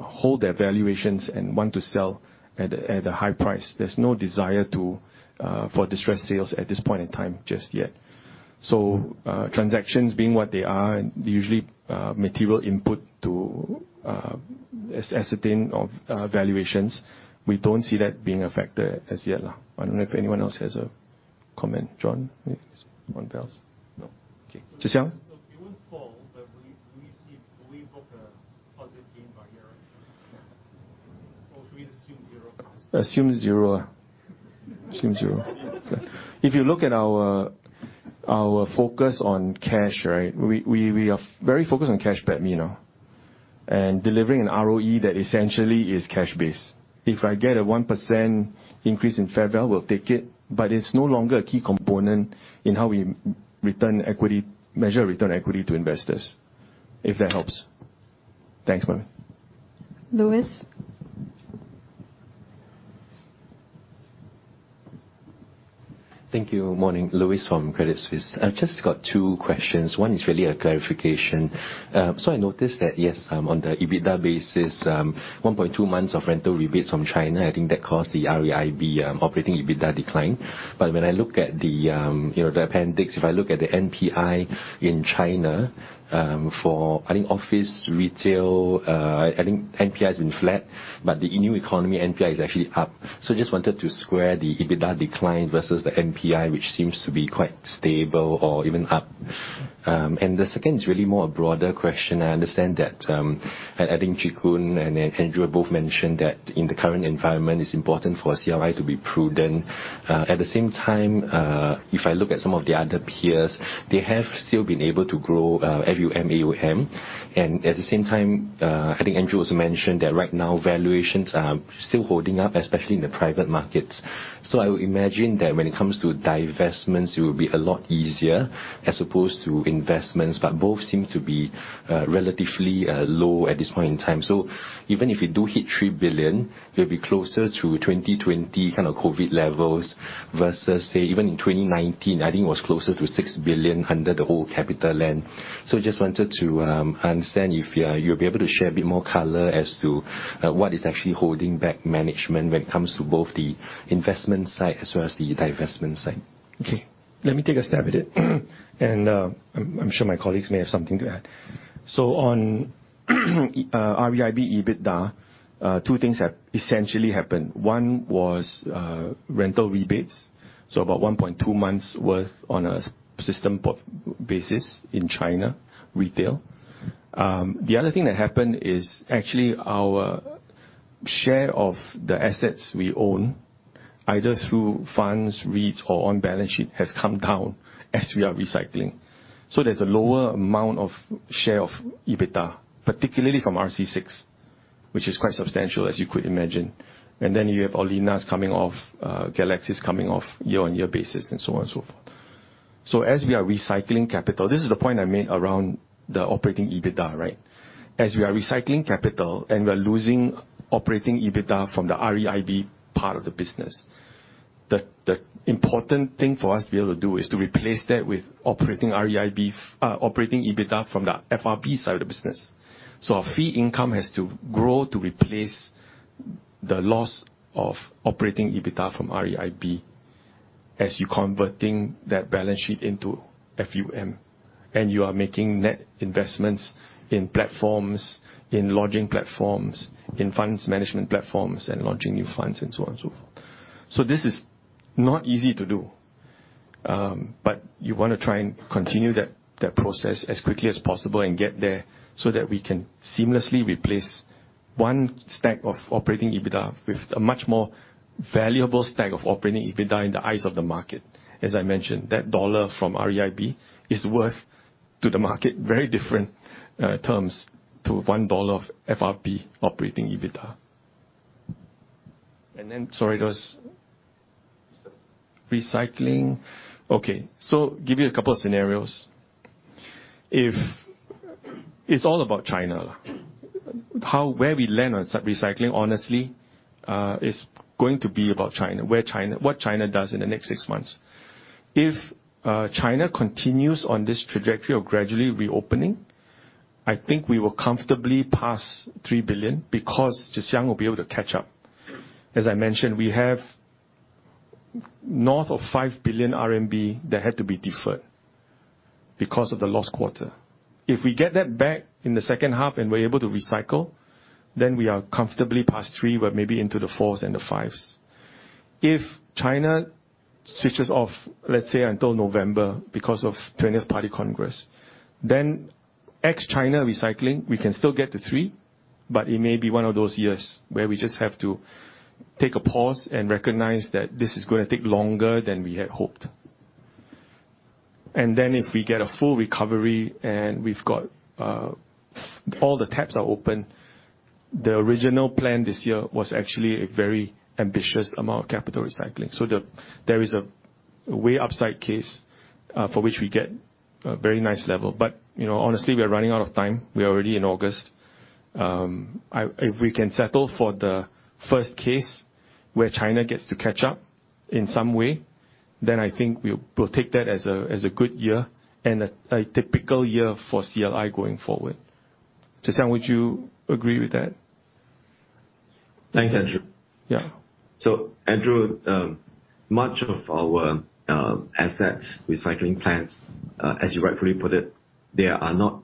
hold their valuations and want to sell at a high price. There's no desire for distressed sales at this point in time just yet. Transactions being what they are, and usually material input to the ascertainment of valuations, we don't see that being a factor as yet, now. I don't know if anyone else has a comment. John, on values? No. Okay. Chee Koon? It won't fall, but we see we book a positive gain by year-over-year. Should we assume zero? Assume zero. If you look at our focus on cash, right? We are very focused on cash back, you know, and delivering an ROE that essentially is cash-based. If I get a 1% increase in fair value, we'll take it, but it's no longer a key component in how we measure return on equity to investors, if that helps. Thanks, Mervyn. Louis? Thank you. Morning. Louis from Credit Suisse. I've just got two questions. One is really a clarification. So I noticed that yes, on the EBITDA basis, 1.2 months of rental rebates from China, I think that caused the REIB operating EBITDA decline. When I look at the, you know, the appendix, if I look at the NPI in China for existing office, retail, existing NPIs are flat, but the new economy NPI is actually up. So just wanted to square the EBITDA decline versus the NPI, which seems to be quite stable or even up. And the second is really more a broader question. I understand that, I think Chee Koon and Andrew both mentioned that in the current environment, it's important for CLI to be prudent. At the same time, if I look at some of the other peers, they have still been able to grow FUM, AUM. At the same time, I think Andrew also mentioned that right now, valuations are still holding up, especially in the private markets. I would imagine that when it comes to divestments, it will be a lot easier as opposed to investments, but both seem to be relatively low at this point in time. Even if you do hit 3 billion, you'll be closer to 2020 kind of COVID levels versus, say, even in 2019, I think it was closer to 6 billion under the whole CapitaLand. Just wanted to understand if you'll be able to share a bit more color as to what is actually holding back management when it comes to both the investment side as well as the divestment side? Okay. Let me take a stab at it. I'm sure my colleagues may have something to add. On REIB EBITDA, two things have essentially happened. One was rental rebates, so about 1.2 months worth on a system portfolio basis in China retail. The other thing that happened is actually our share of the assets we own, either through funds, REITs or on balance sheet, has come down as we are recycling. There's a lower amount of share of EBITDA, particularly from RC6, which is quite substantial, as you could imagine. You have Olinas coming off, Galaxis coming off year-on-year basis and so on and so forth. As we are recycling capital, this is the point I made around the operating EBITDA, right? As we are recycling capital and we're losing operating EBITDA from the REIB part of the business, the important thing for us to be able to do is to replace that with operating EBITDA from the FRB side of the business. Our fee income has to grow to replace the loss of operating EBITDA from REIB as you're converting that balance sheet into FUM, and you are making net investments in platforms, in lodging platforms, in funds management platforms, and launching new funds and so on and so forth. This is not easy to do, but you wanna try and continue that process as quickly as possible and get there so that we can seamlessly replace one stack of operating EBITDA with a much more valuable stack of operating EBITDA in the eyes of the market. As I mentioned, that dollar from REIB is worth to the market very different terms to one dollar of FRB operating EBITDA. Then, sorry, it was recycling. Okay. Give you a couple of scenarios. If it's all about China, where we land on recycling, honestly, is going to be about China. What China does in the next six months. If China continues on this trajectory of gradually reopening, I think we will comfortably pass 3 billion because Puah Tze Shyang will be able to catch up. As I mentioned, we have north of 5 billion RMB that had to be deferred because of the lost quarter. If we get that back in the second half, and we're able to recycle, then we are comfortably past 3 billion, but maybe into the fours and the fives. If China switches off, let's say until November because of 20th Party Congress, then ex-China recycling, we can still get to three, but it may be one of those years where we just have to take a pause and recognize that this is gonna take longer than we had hoped. If we get a full recovery, and we've got all the taps are open, the original plan this year was actually a very ambitious amount of capital recycling. There is a way upside case for which we get a very nice level. You know, honestly, we are running out of time. We are already in August. If we can settle for the first case where China gets to catch up in some way, then I think we'll take that as a good year and a typical year for CLI going forward. Puah Tze Shyang, would you agree with that? Thanks, Andrew. Yeah. Andrew, much of our asset recycling plans, as you rightfully put it, they are not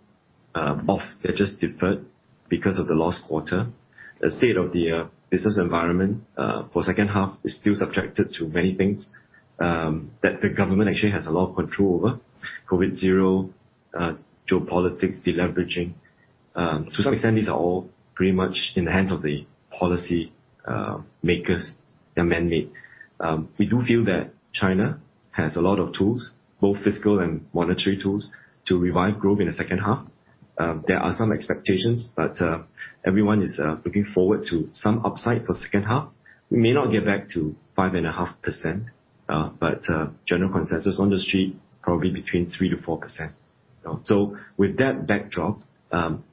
off. They're just deferred because of the last quarter. The state of the business environment for second half is still subject to many things that the government actually has a lot of control over. zero-COVID, geopolitics, deleveraging. To some extent, these are all pretty much in the hands of the policymakers. They're man-made. We do feel that China has a lot of tools, both fiscal and monetary tools to revive growth in the second half. There are some expectations, but everyone is looking forward to some upside for second half. We may not get back to 5.5%, but general consensus on the street, probably between 3%-4%. With that backdrop,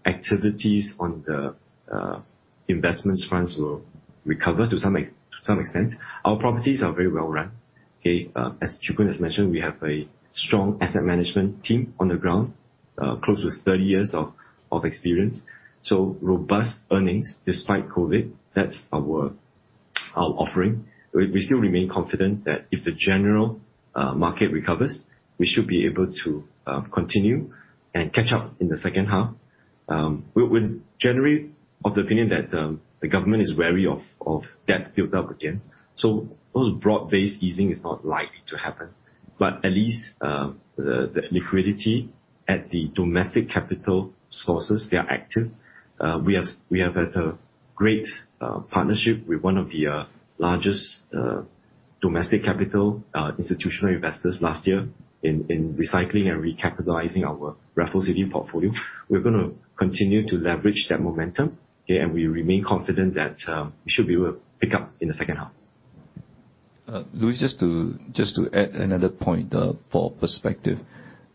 activities on the investments fronts will recover to some extent. Our properties are very well-run. As Chee Koon has mentioned, we have a strong asset management team on the ground, close to 30 years of experience. Robust earnings despite COVID, that's our offering. We still remain confident that if the general market recovers, we should be able to continue and catch up in the second half. We're generally of the opinion that the government is wary of debt buildup again. Those broad-based easing is not likely to happen, but at least the liquidity at the domestic capital sources, they are active. We have had a great partnership with one of the largest domestic capital institutional investors last year in recycling and recapitalizing our Raffles City portfolio. We're gonna continue to leverage that momentum, okay, and we remain confident that we should be able to pick up in the second half. Louis, just to add another point for perspective.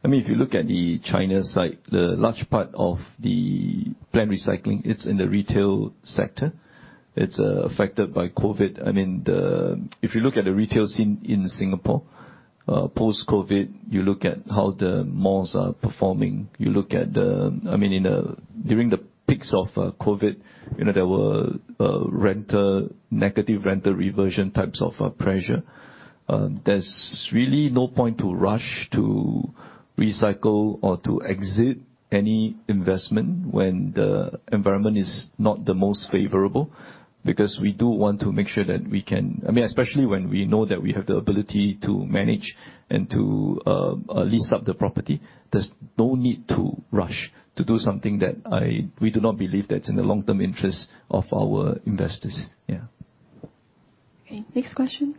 I mean, if you look at the China side, the large part of the planned recycling, it's in the retail sector. It's affected by COVID. I mean, if you look at the retail scene in Singapore, post-COVID, you look at how the malls are performing. I mean, indeed, during the peaks of COVID, you know, there were negative rental reversion types of pressure. There's really no point to rush to recycle or to exit any investment when the environment is not the most favorable, because we do want to make sure that we can. I mean, especially when we know that we have the ability to manage and to lease up the property, there's no need to rush to do something that we do not believe that's in the long-term interest of our investors. Yeah. Okay, next question,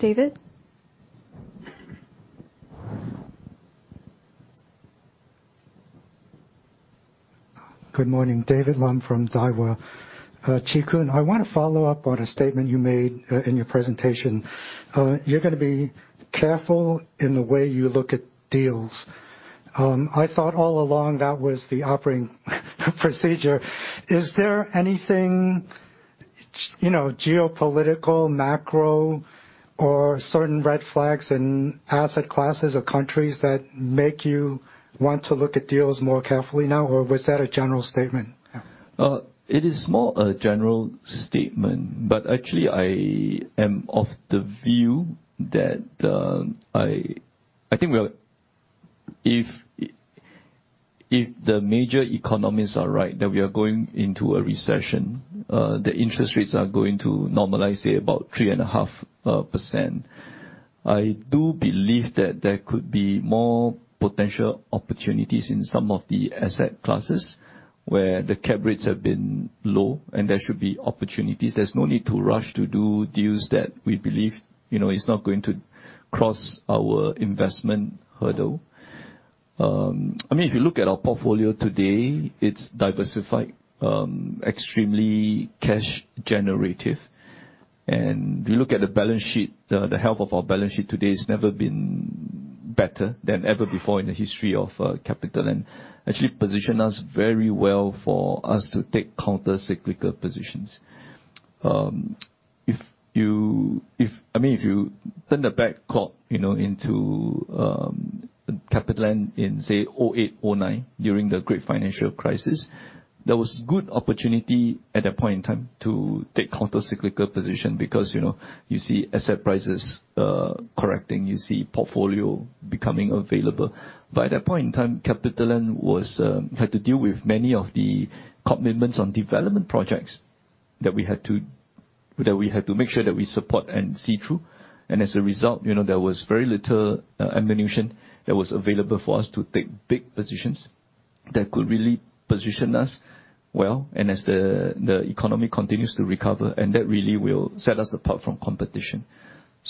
David Lum. Good morning. David Lum from Daiwa. Chee Koon, I wanna follow-up on a statement you made, in your presentation. You're gonna be careful in the way you look at deals. I thought all along that was the operating procedure. Is there anything, you know, geopolitical, macro or certain red flags in asset classes or countries that make you want to look at deals more carefully now, or was that a general statement? Yeah. It is more a general statement, but actually I am of the view that if the major economies are right that we are going into a recession, the interest rates are going to normalize, say about 3.5%. I do believe that there could be more potential opportunities in some of the asset classes where the cap rates have been low, and there should be opportunities. There's no need to rush to do deals that we believe, you know, is not going to cross our investment hurdle. I mean, if you look at our portfolio today, it's diversified, extremely cash generative. If you look at the balance sheet, the health of our balance sheet today has never been better than ever before in the history of CapitaLand. Actually position us very well for us to take counter-cyclical positions. I mean, if you turn back the clock, you know, into CapitaLand in, say, 2008, 2009, during the great financial crisis, there was good opportunity at that point in time to take counter-cyclical position because, you know, you see asset prices correcting, you see portfolio becoming available. By that point in time, CapitaLand was had to deal with many of the commitments on development projects that we had to make sure that we support and see through. As a result, you know, there was very little ammunition that was available for us to take big positions that could really position us well, and as the economy continues to recover, and that really will set us apart from competition.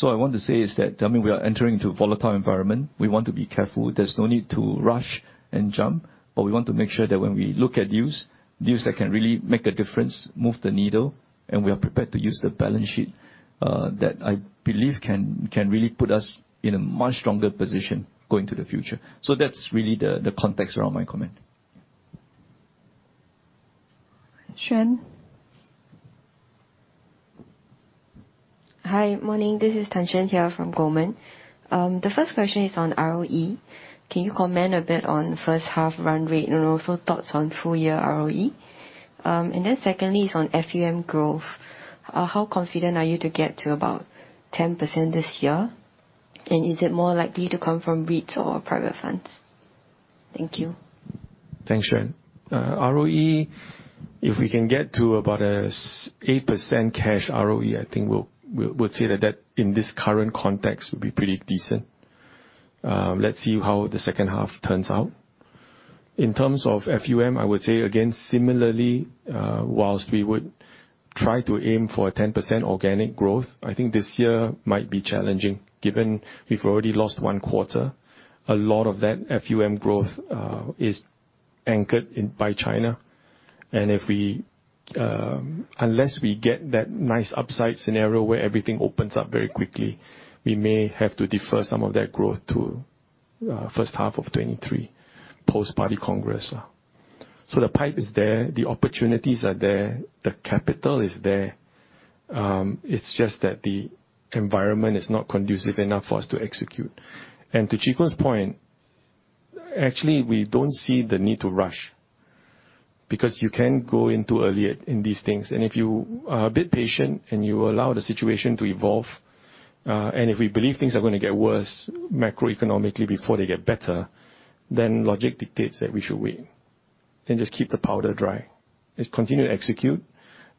I want to say is that, I mean, we are entering into a volatile environment. We want to be careful. There's no need to rush and jump, but we want to make sure that when we look at deals that can really make a difference, move the needle, and we are prepared to use the balance sheet that I believe can really put us in a much stronger position going to the future. That's really the context around my comment. Shen. Hi. Morning. This is Tang Shen here from Goldman. The first question is on ROE. Can you comment a bit on first half run rate, and also thoughts on full year ROE? And then secondly is on FUM growth. How confident are you to get to about 10% this year? And is it more likely to come from REITs or private funds? Thank you. Thanks, Shen. ROE, if we can get to about 8% cash ROE, I think we'll say that in this current context would be pretty decent. Let's see how the second half turns out. In terms of FUM, I would say again, similarly, while we would try to aim for 10% organic growth, I think this year might be challenging given we've already lost one quarter. A lot of that FUM growth is anchored in, by China. Unless we get that nice upside scenario where everything opens up very quickly, we may have to defer some of that growth to first half of 2023, post-Party Congress. The pipe is there, the opportunities are there, the capital is there. It's just that the environment is not conducive enough for us to execute. To Lee Chee Koon's point, actually, we don't see the need to rush because you can go in too early in these things. If you are a bit patient and you allow the situation to evolve, and if we believe things are gonna get worse macroeconomically before they get better, then logic dictates that we should wait and just keep the powder dry. Just continue to execute,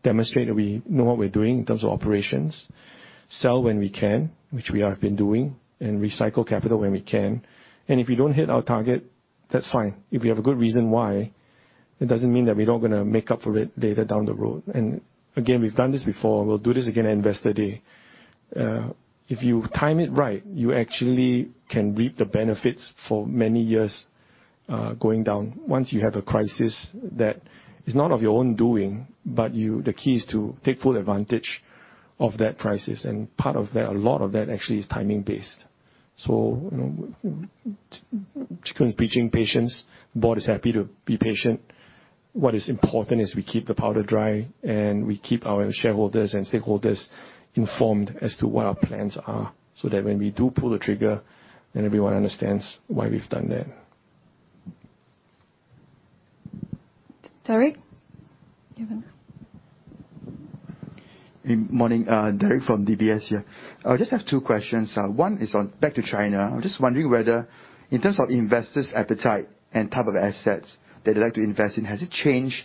demonstrate that we know what we're doing in terms of operations, sell when we can, which we have been doing, and recycle capital when we can. If we don't hit our target, that's fine. If we have a good reason why, it doesn't mean that we're not gonna make up for it later down the road. Again, we've done this before, and we'll do this again at Investor Day. If you time it right, you actually can reap the benefits for many years, going down. Once you have a crisis that is not of your own doing, but the key is to take full advantage of that crisis. Part of that, a lot of that actually is timing based. You know, Chee Koon's preaching patience. The board is happy to be patient. What is important is we keep the powder dry, and we keep our shareholders and stakeholders informed as to what our plans are, so that when we do pull the trigger, then everyone understands why we've done that. Derek, you have the Good morning. Derek from DBS here. I just have two questions. One is on back to China. I'm just wondering whether in terms of investors' appetite and type of assets that they like to invest in, has it changed,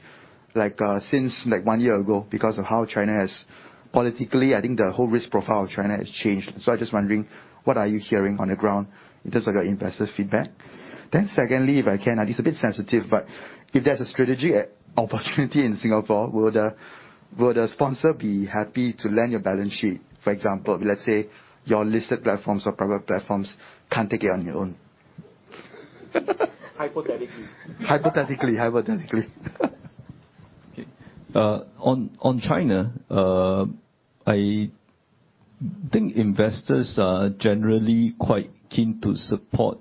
like, since, like, one year ago? Because of how China has politically, I think the whole risk profile of China has changed. I'm just wondering, what are you hearing on the ground in terms of your investors' feedback? Secondly, if I can, and it's a bit sensitive, but if there's a strategy opportunity in Singapore, would a sponsor be happy to lend your balance sheet? For example, let's say your listed platforms or private platforms can't take it on their own. Hypothetically. Hypothetically. On China, I think investors are generally quite keen to support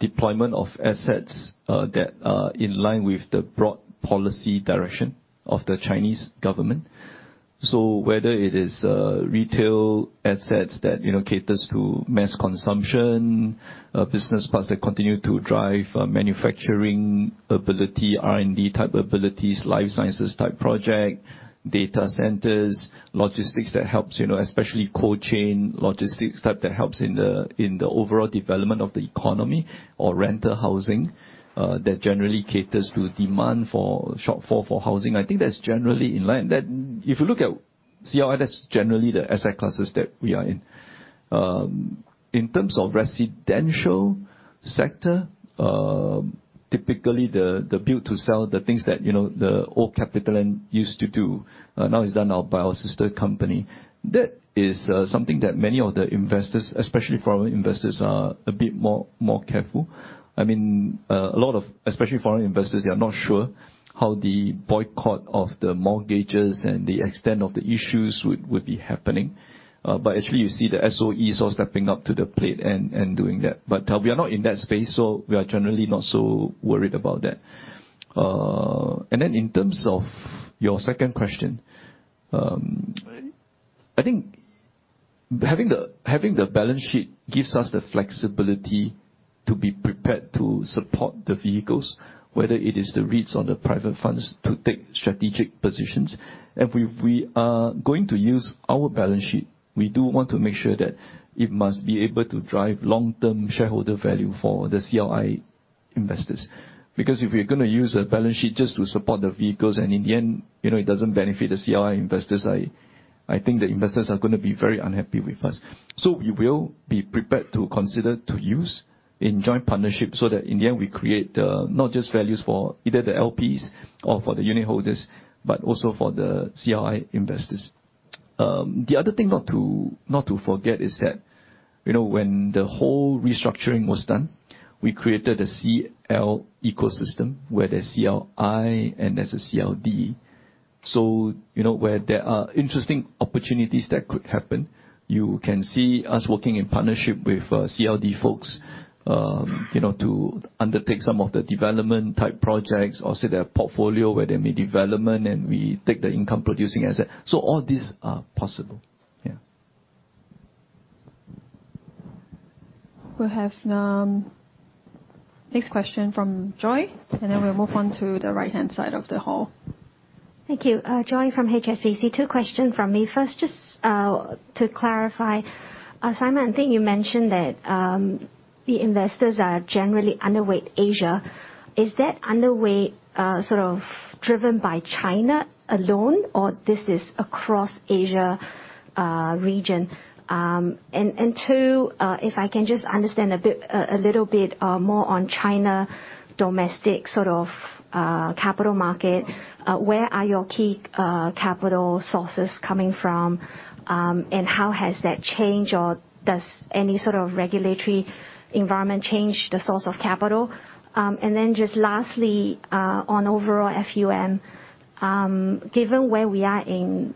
deployment of assets that are in line with the broad policy direction of the Chinese government. Whether it is retail assets that, you know, caters to mass consumption, business parks that continue to drive manufacturing ability, R&D type abilities, life sciences type project, data centers, logistics that helps, you know, especially cold chain logistics type that helps in the overall development of the economy or rental housing that generally caters to demand for shortfall for housing. I think that's generally in line. That, if you look at CLI, that's generally the asset classes that we are in. In terms of residential sector, Typically, the build to sell, the things that, you know, the old CapitaLand used to do, now is done by our sister company. That is something that many of the investors, especially foreign investors, are a bit more careful. I mean, a lot of especially foreign investors, they are not sure how the boycott of the mortgages and the extent of the issues would be happening. Actually, you see the SOE sort of stepping up to the plate and doing that. We are not in that space, so we are generally not so worried about that. In terms of your second question, I think having the balance sheet gives us the flexibility to be prepared to support the vehicles, whether it is the REITs or the private funds to take strategic positions. If we are going to use our balance sheet, we do want to make sure that it must be able to drive long-term shareholder value for the CLI investors. Because if we're gonna use a balance sheet just to support the vehicles and in the end, you know, it doesn't benefit the CLI investors, I think the investors are gonna be very unhappy with us. We will be prepared to consider to use in joint partnership so that in the end, we create not just values for either the LPs or for the unitholders, but also for the CLI investors. The other thing not to forget is that, you know, when the whole restructuring was done, we created a CL ecosystem where there's CLI and there's a CLD. You know, where there are interesting opportunities that could happen, you can see us working in partnership with CLD folks, you know, to undertake some of the development type projects or, say, their portfolio where they may develop, and we take the income producing asset. All these are possible. Yeah. We'll have next question from Joy, and then we'll move on to the right-hand side of the hall. Thank you. Joy from HSBC. Two questions from me. First, just to clarify, Simon, I think you mentioned that the investors are generally underweight Asia. Is that underweight sort of driven by China alone, or this is across Asia region? Two, if I can just understand a little bit more on China domestic sort of capital market, where are your key capital sources coming from, and how has that changed or does any sort of regulatory environment change the source of capital? Then just lastly, on overall FUM, given where we are in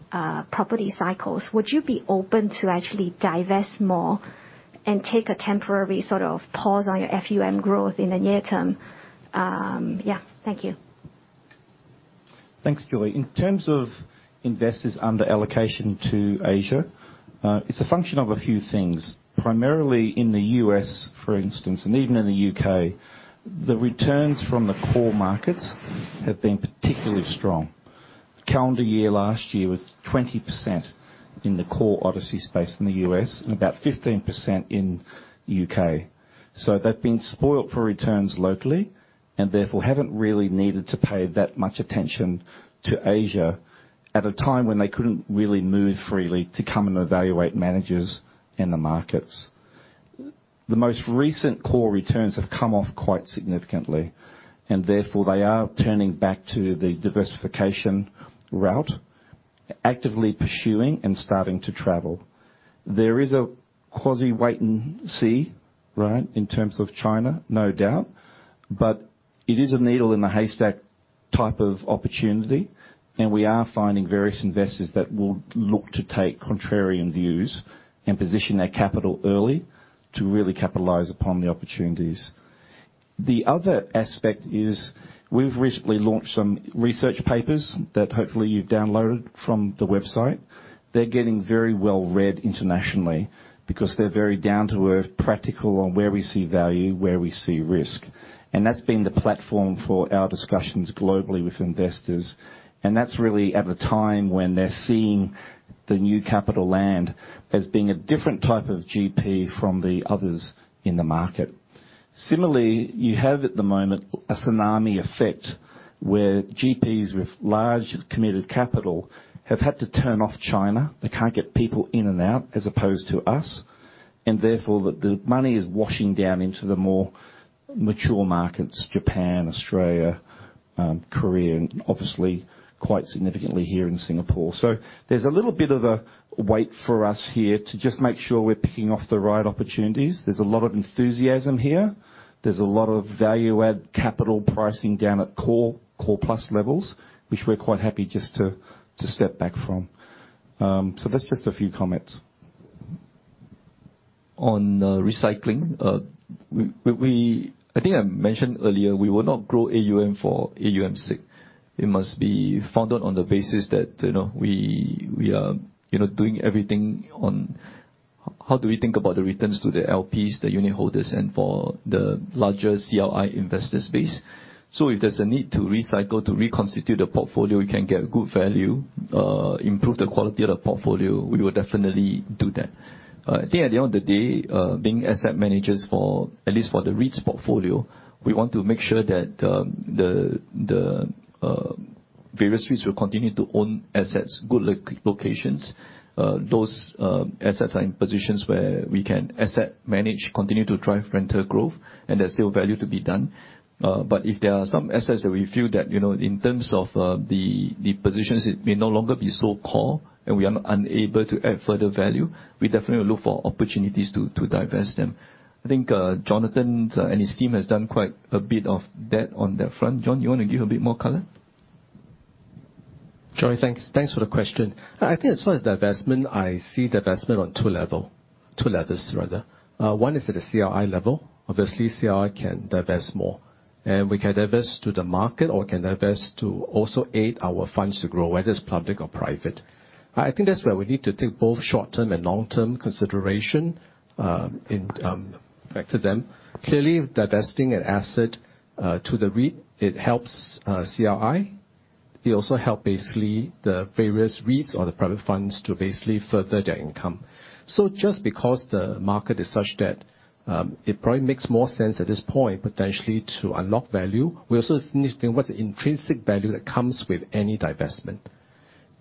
property cycles, would you be open to actually divest more and take a temporary sort of pause on your FUM growth in the near-term? Yeah. Thank you. Thanks, Joy. In terms of investors under allocation to Asia, it's a function of a few things. Primarily in the U.S., for instance, and even in the U.K., the returns from the core markets have been particularly strong. Calendar year last year was 20% in the core ODCE space in the U.S. and about 15% in U.K. They've been spoiled for returns locally and therefore haven't really needed to pay that much attention to Asia at a time when they couldn't really move freely to come and evaluate managers in the markets. The most recent core returns have come off quite significantly, and therefore, they are turning back to the diversification route, actively pursuing and starting to travel. There is a quasi wait and see, right, in terms of China, no doubt, but it is a needle in the haystack type of opportunity, and we are finding various investors that will look to take contrarian views and position their capital early to really capitalize upon the opportunities. The other aspect is we've recently launched some research papers that hopefully you've downloaded from the website. They're getting very well-read internationally because they're very down to earth, practical on where we see value, where we see risk. That's been the platform for our discussions globally with investors, and that's really at a time when they're seeing the new CapitaLand as being a different type of GP from the others in the market. Similarly, you have at the moment a tsunami effect, where GPs with large committed capital have had to turn off China. They can't get people in and out as opposed to us, and therefore, the money is washing down into the more mature markets, Japan, Australia, Korea, and obviously quite significantly here in Singapore. There's a little bit of a wait for us here to just make sure we're picking off the right opportunities. There's a lot of enthusiasm here. There's a lot of value add capital pricing down at core plus levels, which we're quite happy just to step back from. That's just a few comments. On recycling, I think I mentioned earlier we will not grow AUM for AUM's sake. It must be founded on the basis that, you know, we are, you know, doing everything on how do we think about the returns to the LPs, the unitholders, and for the larger CLI investor space. If there's a need to recycle to reconstitute the portfolio, we can get good value, improve the quality of the portfolio, we will definitely do that. I think at the end of the day, being asset managers for, at least for the REIT's portfolio, we want to make sure that the Various REITs will continue to own assets, good locations, those assets are in positions where we can asset manage, continue to drive rental growth, and there's still value to be done. If there are some assets that we feel that, you know, in terms of, the positions, it may no longer be so core and we are unable to add further value, we definitely will look for opportunities to divest them. I think, Jonathan, and his team has done quite a bit of that on that front. Jon, you wanna give a bit more color? Joy, thanks. Thanks for the question. I think as far as divestment, I see divestment on two levels rather. One is at a CLI level. Obviously, CLI can divest more, and we can divest to the market, or we can divest to also aid our funds to grow, whether it's public or private. I think that's where we need to take both short-term and long-term consideration and back to them. Clearly, divesting an asset to the REIT, it helps CLI. It also help basically the various REITs or the private funds to basically further their income. Just because the market is such that it probably makes more sense at this point, potentially to unlock value, we also need to think what's the intrinsic value that comes with any divestment.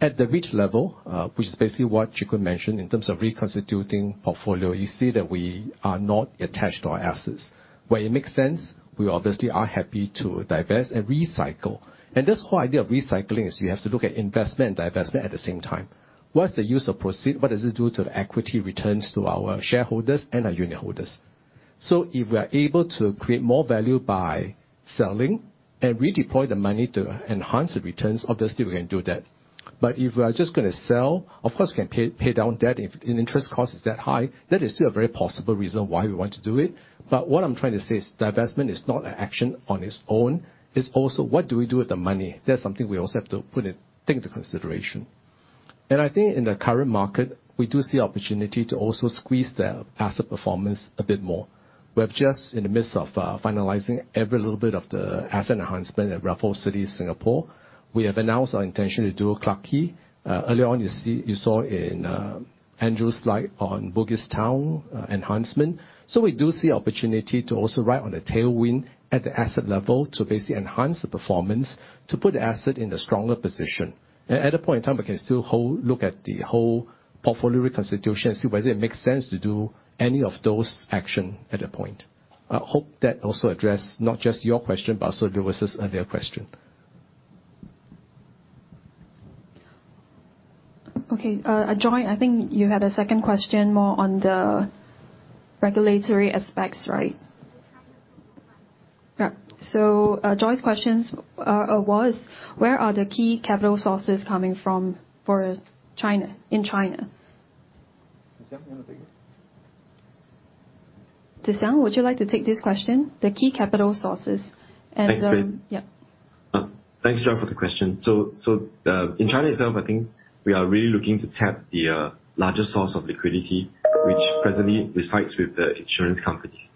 At the REIT level, which is basically what Chee Koon mentioned in terms of reconstituting portfolio, you see that we are not attached to our assets. Where it makes sense, we obviously are happy to divest and recycle. This whole idea of recycling is you have to look at investment and divestment at the same time. What is the use of proceeds? What does it do to the equity returns to our shareholders and our unitholders? If we are able to create more value by selling and redeploy the money to enhance the returns, obviously, we can do that. If we are just gonna sell, of course, we can pay down debt if interest cost is that high. That is still a very possible reason why we want to do it. What I'm trying to say is divestment is not an action on its own. It's also what do we do with the money? That's something we also have to take into consideration. I think in the current market, we do see opportunity to also squeeze the asset performance a bit more. We're just in the midst of finalizing every little bit of the asset enhancement at Raffles City, Singapore. We have announced our intention to do Clarke Quay. Earlier on, you saw in Andrew's slide on Bugis Junction enhancement. We do see opportunity to also ride on a tailwind at the asset level to basically enhance the performance to put the asset in a stronger position. At a point in time, we can still look at the whole portfolio reconstitution and see whether it makes sense to do any of those actions at that point. I hope that also addressed not just your question, but also Louis' and their question. Okay. Joy, I think you had a second question more on the regulatory aspects, right? Yeah. Joy's question was where are the key capital sources coming from for China in China? Puah Tze Shyang, you wanna take it? Puah Tze Shyang, would you like to take this question, the key capital sources and, Thanks, Grace. Yeah. Thanks, Joy, for the question. In China itself, I think we are really looking to tap the largest source of liquidity, which presently resides with the insurance companies.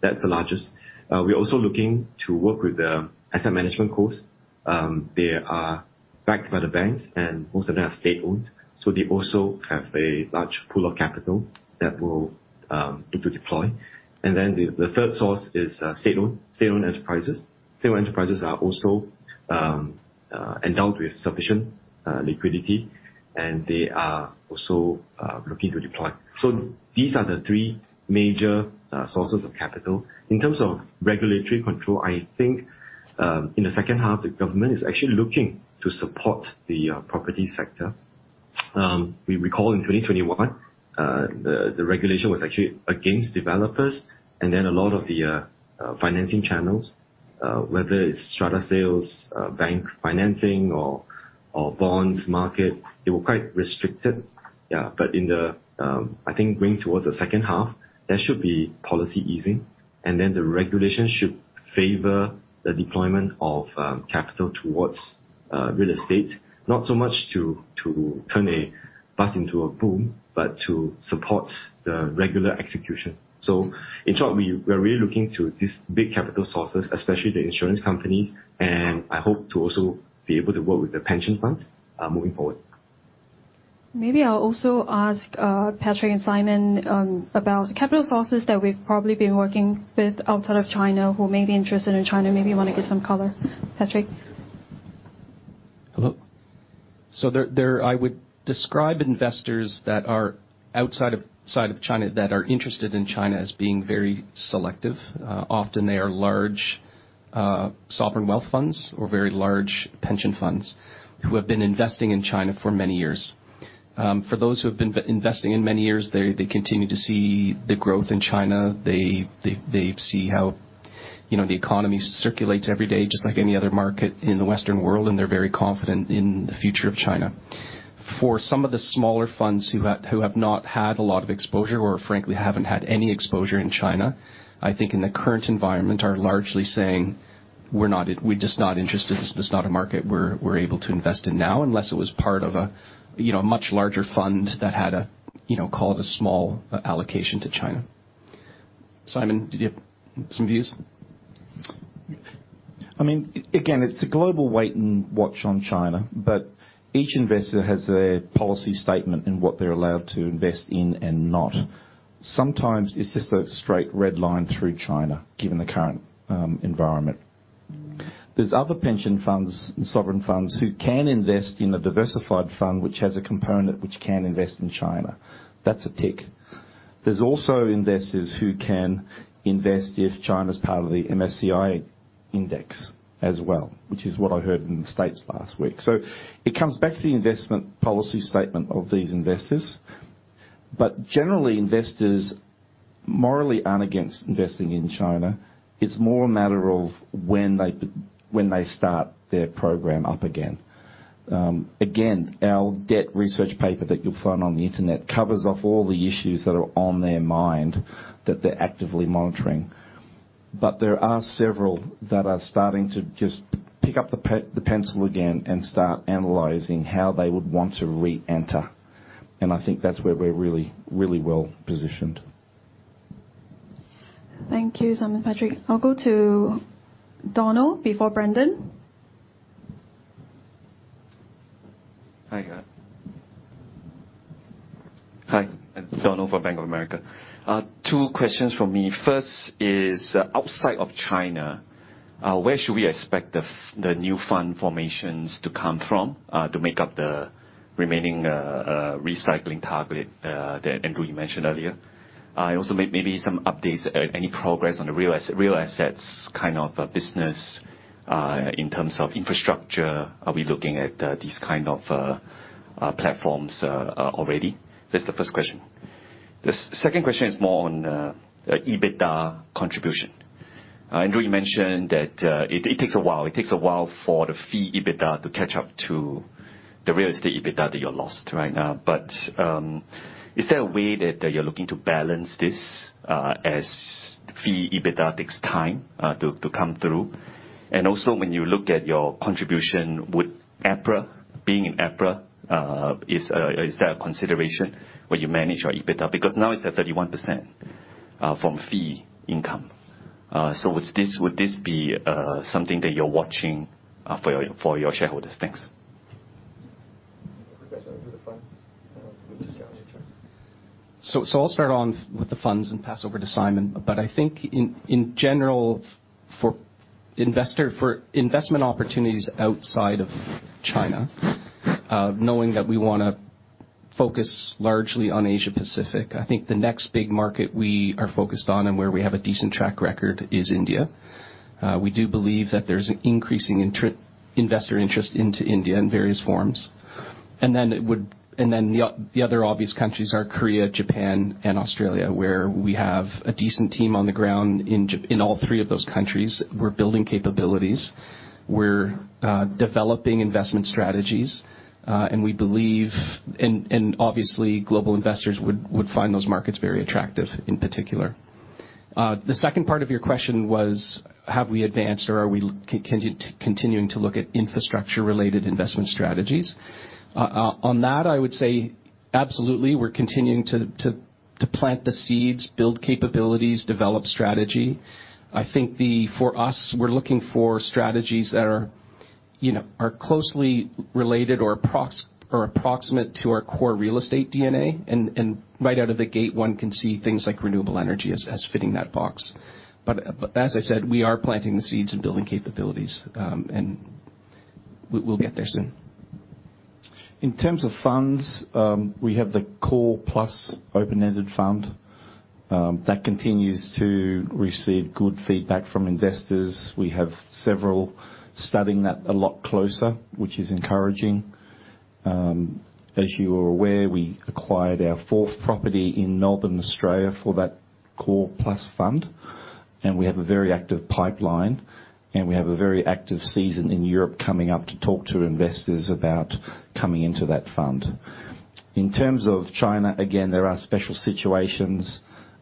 That's the largest. We're also looking to work with the asset management cos. They are backed by the banks, and most of them are state-owned, so they also have a large pool of capital that will need to deploy. The third source is state-owned enterprises. State-owned enterprises are also endowed with sufficient liquidity, and they are also looking to deploy. These are the three major sources of capital. In terms of regulatory control, I think in the second half, the government is actually looking to support the property sector. We recall in 2021, the regulation was actually against developers. Then a lot of the financing channels, whether it's strata sales, bank financing or bond market, they were quite restricted. Yeah. In the second half, I think there should be policy easing, and then the regulation should favor the deployment of capital towards real estate, not so much to turn a bust into a boom, but to support the regular execution. In short, we're really looking to these big capital sources, especially the insurance companies, and I hope to also be able to work with the pension funds moving forward. Maybe I'll also ask, Patrick and Simon, about capital sources that we've probably been working with outside of China who may be interested in China. Maybe you wanna give some color. Patrick? Hello. I would describe investors that are outside of China that are interested in China as being very selective. Often they are large sovereign wealth funds or very large pension funds who have been investing in China for many years. For those who have been investing for many years, they see the growth in China. They see how, you know, the economy circulates every day just like any other market in the Western world, and they're very confident in the future of China. For some of the smaller funds who have not had a lot of exposure or frankly haven't had any exposure in China, I think in the current environment are largely saying, "We're just not interested. This is not a market we're able to invest in now, unless it was part of a, you know, much larger fund that had a, you know, call it a small allocation to China. Simon, did you have some views? I mean, again, it's a global wait and watch on China, but each investor has their policy statement in what they're allowed to invest in and not. Sometimes it's just a straight red line through China, given the current environment. There's other pension funds and sovereign funds who can invest in a diversified fund, which has a component which can invest in China. That's a tick. There's also investors who can invest if China's part of the MSCI index as well, which is what I heard in the States last week. It comes back to the investment policy statement of these investors. Generally, investors morally aren't against investing in China. It's more a matter of when they start their program up again. Again, our debt research paper that you'll find on the Internet covers off all the issues that are on their mind that they're actively monitoring. There are several that are starting to just pick up the pencil again and start analyzing how they would want to re-enter. I think that's where we're really, really well positioned. Thank you, Simon, Patrick. I'll go to Donald before Brendan. Hi. Hi, Donald from Bank of America. Two questions from me. First is, outside of China, where should we expect the new fund formations to come from to make up the remaining recycling target that Andrew, you mentioned earlier? Also maybe some updates, any progress on the real assets kind of business in terms of infrastructure. Are we looking at these kind of platforms already? That's the first question. The second question is more on the EBITDA contribution. Andrew, you mentioned that it takes a while for the fee EBITDA to catch up to the real estate EBITDA that you lost right now. Is there a way that you're looking to balance this as fee EBITDA takes time to come through? Also, when you look at your contribution with EPRA, being in EPRA, is that a consideration when you manage your EBITDA? Because now it's at 31% from fee income. Would this be something that you're watching for your shareholders? Thanks. Progress over the funds? I'll start on with the funds and pass over to Simon. I think in general, for investment opportunities outside of China, knowing that we wanna focus largely on Asia-Pacific, I think the next big market we are focused on and where we have a decent track record is India. We do believe that there's an increasing investor interest in India in various forms. The other obvious countries are Korea, Japan, and Australia, where we have a decent team on the ground in all three of those countries. We're building capabilities, we're developing investment strategies, and we believe, and obviously, global investors would find those markets very attractive in particular. The second part of your question was, have we advanced or are we continuing to look at infrastructure-related investment strategies? On that, I would say absolutely. We're continuing to plant the seeds, build capabilities, develop strategy. I think for us, we're looking for strategies that are, you know, are closely related or approximate to our core real estate DNA. Right out of the gate, one can see things like renewable energy as fitting that box. As I said, we are planting the seeds and building capabilities. We'll get there soon. In terms of funds, we have the Core Plus open-ended fund. That continues to receive good feedback from investors. We have several studying that a lot closer, which is encouraging. As you are aware, we acquired our fourth property in Northern Australia for that Core Plus fund, and we have a very active pipeline, and we have a very active season in Europe coming up to talk to investors about coming into that fund. In terms of China, again, there are special situations,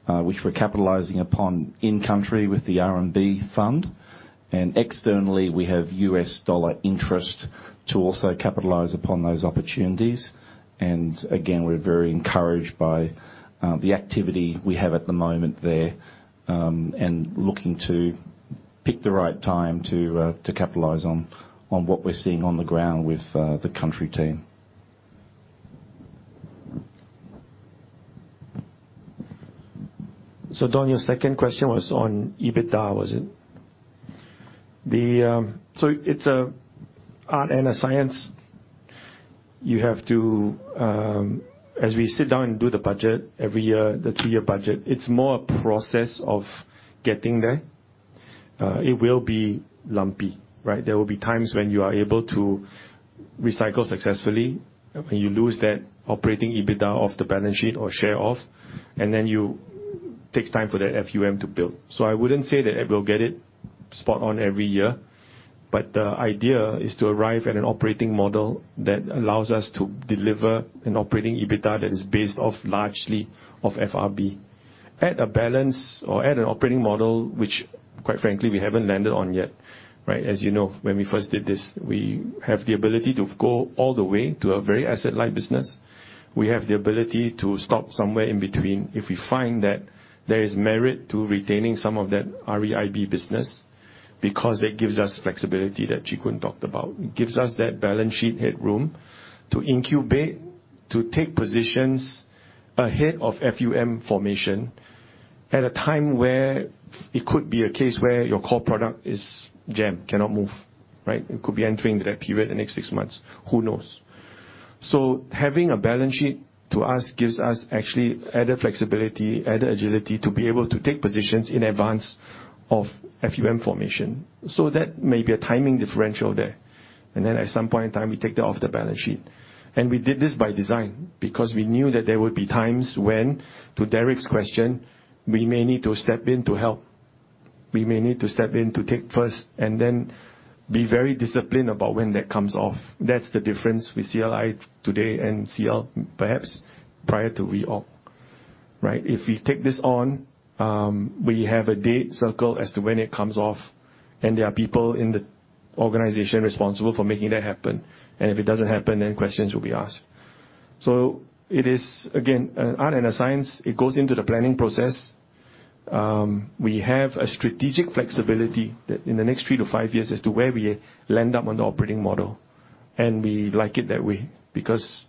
which we're capitalizing upon in country with the RMB fund. Externally, we have US dollar interest to also capitalize upon those opportunities. Again, we're very encouraged by the activity we have at the moment there, and looking to pick the right time to capitalize on what we're seeing on the ground with the country team. Donald, your second question was on EBITDA, was it? It's art and a science. You have to, as we sit down and do the budget every year, the two-year budget, it's more a process of getting there. It will be lumpy, right? There will be times when you are able to recycle successfully, when you lose that operating EBITDA off the balance sheet or share off, and then takes time for that FUM to build. I wouldn't say that it will get it spot on every year, but the idea is to arrive at an operating model that allows us to deliver an operating EBITDA that is based off largely of FRB. At a balance or at an operating model, which quite frankly, we haven't landed on yet, right? As you know, when we first did this, we have the ability to go all the way to a very asset-light business. We have the ability to stop somewhere in between if we find that there is merit to retaining some of that REIB business, because it gives us flexibility that Lee Chee Koon talked about. It gives us that balance sheet headroom to incubate. To take positions ahead of FUM formation at a time where it could be a case where your core product is jammed, cannot move, right? It could be entering that period the next six months, who knows? Having a balance sheet to us gives us actually added flexibility, added agility, to be able to take positions in advance of FUM formation. That may be a timing differential there, and then at some point in time, we take that off the balance sheet. We did this by design, because we knew that there would be times when, to Derek's question, we may need to step in to help. We may need to step in to take first and then be very disciplined about when that comes off. That's the difference with CLI today and CL, perhaps, prior to reorg, right? If we take this on, we have a date circled as to when it comes off, and there are people in the organization responsible for making that happen. If it doesn't happen, then questions will be asked. It is, again, an art and a science. It goes into the planning process. We have a strategic flexibility that in the next three to five years as to where we land up on the operating model. We like it that way because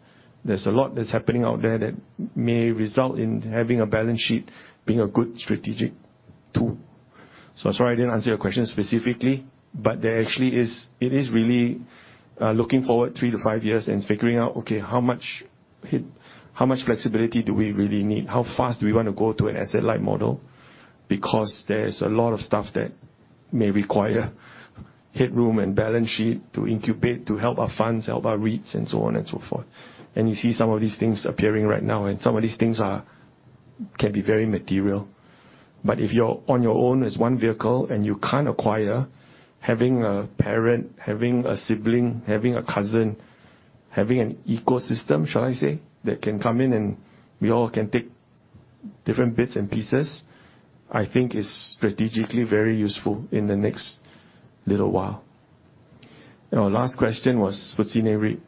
there's a lot that's happening out there that may result in having a balance sheet being a good strategic tool. Sorry I didn't answer your question specifically, but there actually is. It is really looking forward three to five years and figuring out, okay, how much hit, how much flexibility do we really need? How fast do we wanna go to an asset-light model? Because there is a lot of stuff that may require headroom and balance sheet to incubate, to help our funds, help our REITs, and so on and so forth. You see some of these things appearing right now, and some of these things can be very material. If you're on your own as one vehicle and you can't acquire, having a parent, having a sibling, having a cousin, having an ecosystem, shall I say, that can come in and we all can take different bits and pieces, I think is strategically very useful in the next little while. Now, last question was for S-REIT.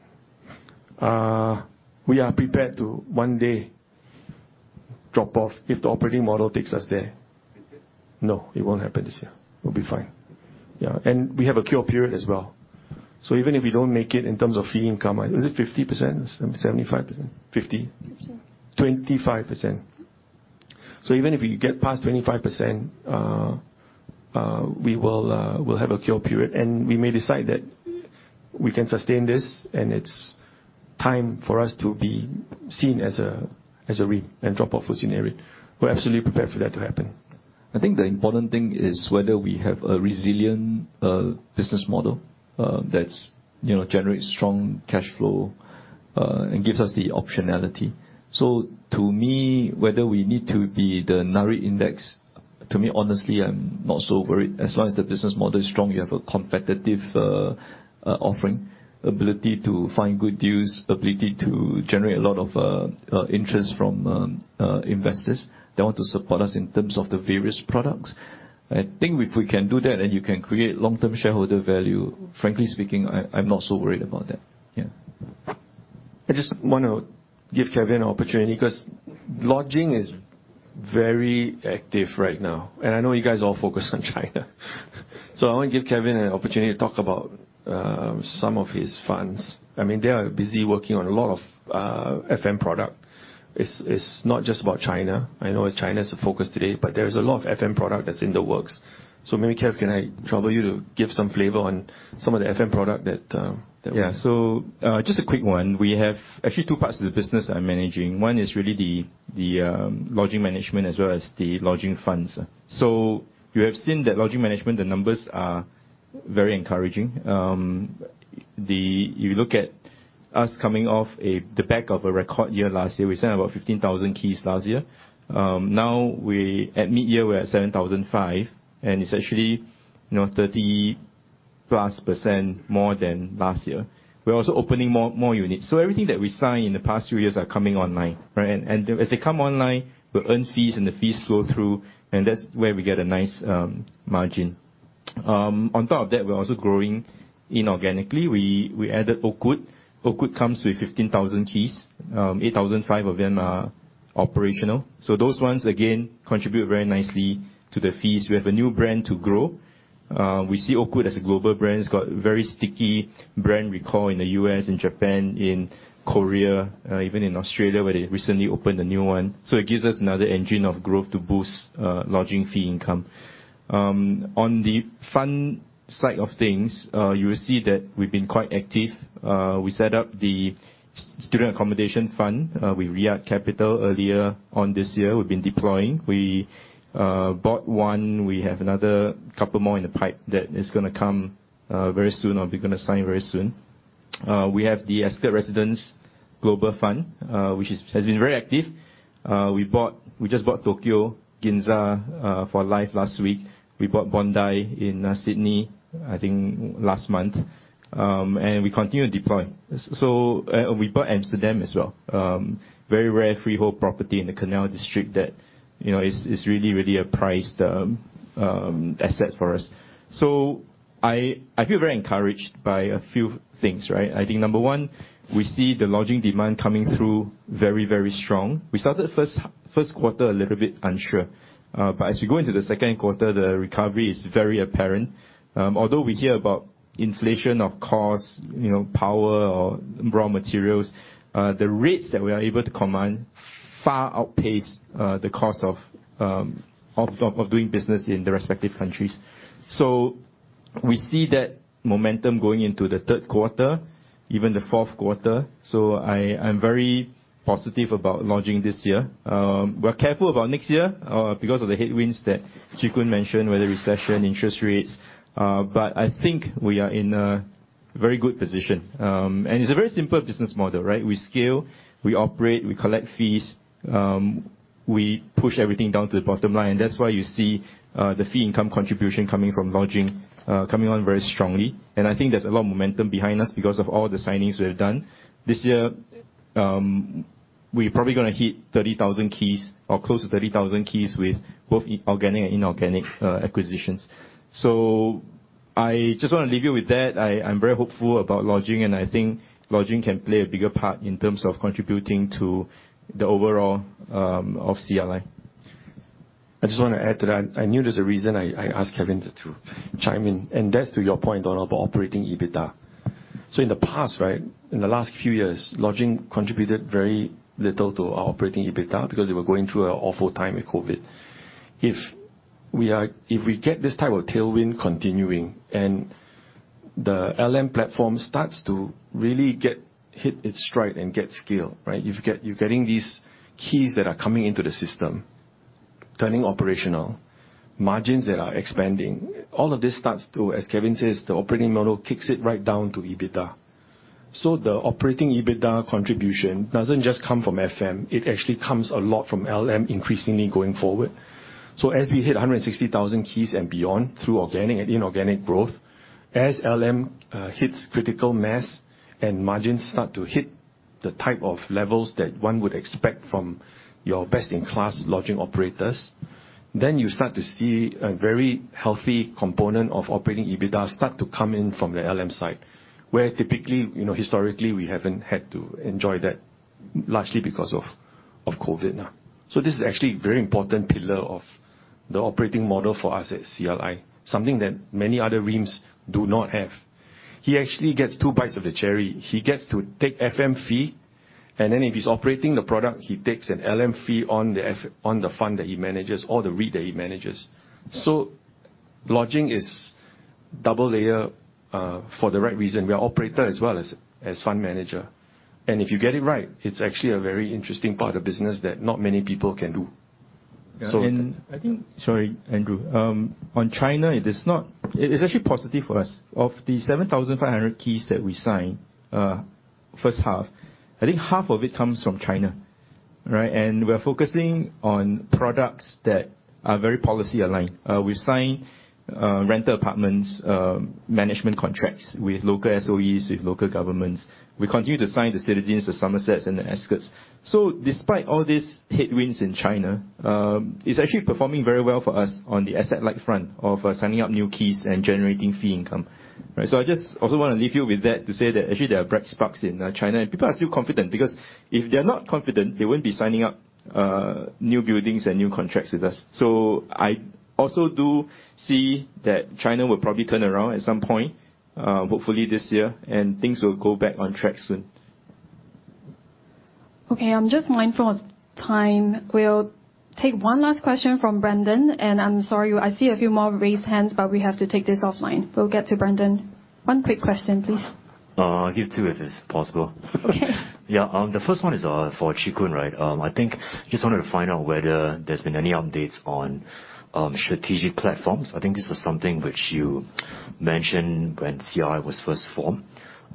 We are prepared to one day drop off if the operating model takes us there. This year? No, it won't happen this year. We'll be fine. Yeah, and we have a cure period as well. Even if we don't make it in terms of fee income, is it 50%? 75%? 50%? 25%. Even if you get past 25%, we'll have a cure period, and we may decide that we can sustain this, and it's time for us to be seen as a REIT and drop off as S-REIT. We're absolutely prepared for that to happen. I think the important thing is whether we have a resilient business model that's, you know, generates strong cash flow and gives us the optionality. To me, whether we need to be the Nareit index, to me, honestly, I'm not so worried. As long as the business model is strong, you have a competitive offering, ability to find good deals, ability to generate a lot of interest from investors that want to support us in terms of the various products. I think if we can do that, then you can create long-term shareholder value. Frankly speaking, I'm not so worried about that. Yeah. I just wanna give Kevin an opportunity 'cause lodging is very active right now, and I know you guys all focus on China. I wanna give Kevin an opportunity to talk about some of his funds. I mean, they are busy working on a lot of FM product. It's not just about China. I know China is the focus today, but there is a lot of FM product that's in the works. Maybe, Kev, can I trouble you to give some flavor on some of the FM product that. Yeah. Just a quick one. We have actually two parts of the business that I'm managing. One is really the lodging management as well as the lodging funds. You have seen that lodging management, the numbers are very encouraging. If you look at us coming off the back of a record year last year, we signed about 15,000 keys last year. Now we at mid-year, we're at 7,500, and it's actually, you know, 30%+ more than last year. We're also opening more units. Everything that we sign in the past few years are coming online, right? And as they come online, we'll earn fees, and the fees flow through, and that's where we get a nice margin. On top of that, we're also growing inorganically. We added Oakwood. Oakwood comes with 15,000 keys. Eight thousand five of them are operational. Those ones, again, contribute very nicely to the fees. We have a new brand to grow. We see Oakwood as a global brand. It's got very sticky brand recall in the U.S., in Japan, in Korea, even in Australia, where they recently opened a new one. It gives us another engine of growth to boost lodging fee income. On the fund side of things, you will see that we've been quite active. We set up the student accommodation fund with Riyad Capital earlier on this year. We've been deploying. We bought one. We have another couple more in the pipe that is gonna come very soon, or we're gonna sign very soon. We have the Ascott Serviced Residence Global Fund, which has been very active. We just bought Tokyo, Ginza lyf last week. We bought Bondi in Sydney, I think last month. We continue to deploy. We bought Amsterdam as well. Very rare freehold property in the Canal District that, you know, is really a prized asset for us. I feel very encouraged by a few things, right? I think number one, we see the lodging demand coming through very strong. We started the first quarter a little bit unsure, but as we go into the second quarter, the recovery is very apparent. Although we hear about inflation of costs, you know, power or raw materials, the rates that we are able to command far outpace the cost of doing business in the respective countries. We see that momentum going into the third quarter, even the fourth quarter. I'm very positive about lodging this year. We're careful about next year because of the headwinds that Chee Koon mentioned, whether recession, interest rates. But I think we are in a very good position. It's a very simple business model, right? We scale, we operate, we collect fees, we push everything down to the bottom line. That's why you see the fee income contribution coming from lodging coming on very strongly. I think there's a lot of momentum behind us because of all the signings we have done. This year, we're probably gonna hit 30,000 keys or close to 30,000 keys with both organic and inorganic acquisitions. I just wanna leave you with that. I'm very hopeful about lodging, and I think lodging can play a bigger part in terms of contributing to the overall of CLI. I just wanna add to that. I knew there's a reason I asked Kevin to chime in, and that's to your point, Donald, about operating EBITDA. In the past, right, in the last few years, lodging contributed very little to our operating EBITDA because they were going through an awful time with COVID. If we get this type of tailwind continuing and the LM platform starts to really hit its stride and get scale, right? You're getting these keys that are coming into the system, turning operational, margins that are expanding. All of this starts to, as Kevin says, the operating model kicks it right down to EBITDA. The operating EBITDA contribution doesn't just come from FM, it actually comes a lot from LM increasingly going forward. As we hit 160,000 keys and beyond through organic and inorganic growth, as LM hits critical mass and margins start to hit the type of levels that one would expect from your best-in-class lodging operators, then you start to see a very healthy component of operating EBITDA start to come in from the LM side, where typically, you know, historically, we haven't had to enjoy that largely because of COVID. This is actually a very important pillar of the operating model for us at CLI, something that many other REIMs do not have. He actually gets two bites of the cherry. He gets to take FM fee, and then if he's operating the product, he takes an LM fee on the fund that he manages or the REIT that he manages. Lodging is double layer for the right reason. We are operator as well as fund manager. If you get it right, it's actually a very interesting part of business that not many people can do. Sorry, Andrew. On China, it is actually positive for us. Of the 7,500 keys that we signed, first half, I think half of it comes from China, right? We're focusing on products that are very policy-aligned. We've signed rental apartments, management contracts with local SOEs, with local governments. We continue to sign the Citadines, the Somerset and the Ascott. Despite all these headwinds in China, it's actually performing very well for us on the asset light front of signing up new keys and generating fee income. Right. I just also wanna leave you with that to say that actually there are bright sparks in China, and people are still confident because if they're not confident, they won't be signing up new buildings and new contracts with us. I also do see that China will probably turn around at some point, hopefully this year, and things will go back on track soon. Okay. I'm just mindful of time. We'll take one last question from Brendan. I'm sorry, I see a few more raised hands, but we have to take this offline. We'll get to Brendan. One quick question, please. I'll give two if it's possible. Okay. Yeah. The first one is for Chee Koon, right. I just wanted to find out whether there's been any updates on strategic platforms. I think this was something which you mentioned when CLI was first formed.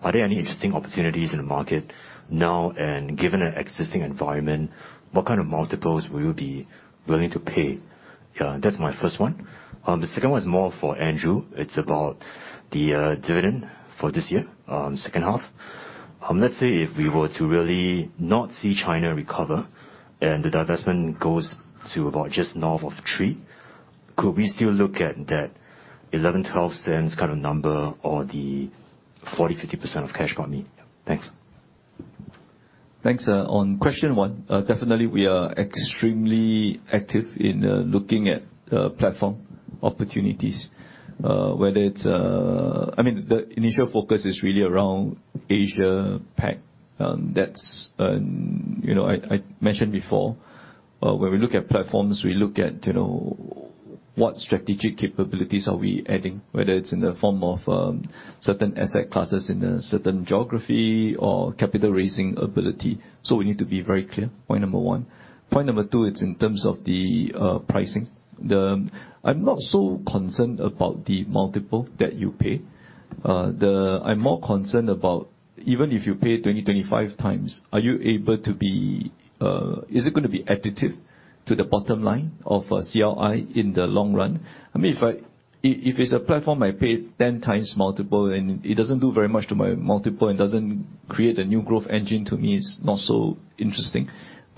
Are there any interesting opportunities in the market now? Given the existing environment, what kind of multiples will you be willing to pay? Yeah, that's my first one. The second one is more for Andrew Lim. It's about the dividend for this year, second half. Let's say if we were to really not see China recover and the divestment goes to about just north of three, could we still look at that 0.11-0.12 kind of number or the 40%-50% of cash for me? Thanks. Thanks. On question one, definitely we are extremely active in looking at platform opportunities, whether it's. I mean, the initial focus is really around Asia-Pac. That's, you know, I mentioned before, when we look at platforms, we look at, you know, what strategic capabilities are we adding, whether it's in the form of certain asset classes in a certain geography or capital raising ability. So we need to be very clear, point number one. Point number two, it's in terms of the pricing. I'm not so concerned about the multiple that you pay. I'm more concerned about even if you pay 20, 25x, are you able to be, is it gonna be additive to the bottom line of CLI in the long run? I mean, if I. If it's a platform I pay 10x multiple, and it doesn't do very much to my multiple, and doesn't create a new growth engine, to me it's not so interesting.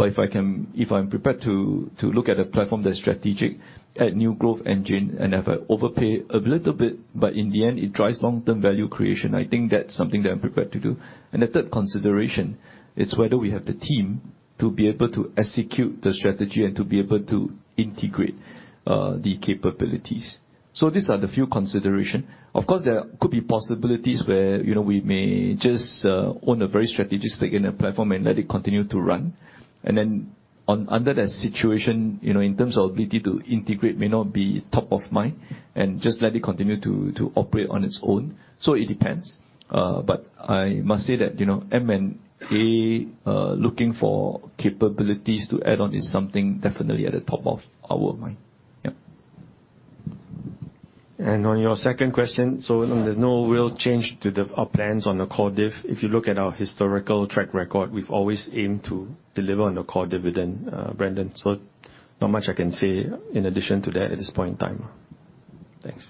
If I'm prepared to look at a platform that's strategic, add new growth engine, and if I overpay a little bit, but in the end it drives long-term value creation, I think that's something that I'm prepared to do. The third consideration is whether we have the team to be able to execute the strategy and to be able to integrate the capabilities. These are the few consideration. Of course, there could be possibilities where, you know, we may just own a very strategic stake in a platform and let it continue to run. Under that situation, you know, in terms of ability to integrate, may not be top of mind, and just let it continue to operate on its own. It depends. But I must say that, you know, M&A looking for capabilities to add on is something definitely at the top of our mind. Yeah. On your second question, there's no real change to our plans on the core div. If you look at our historical track record, we've always aimed to deliver on the core dividend, Brandon. Not much I can say in addition to that at this point in time. Thanks.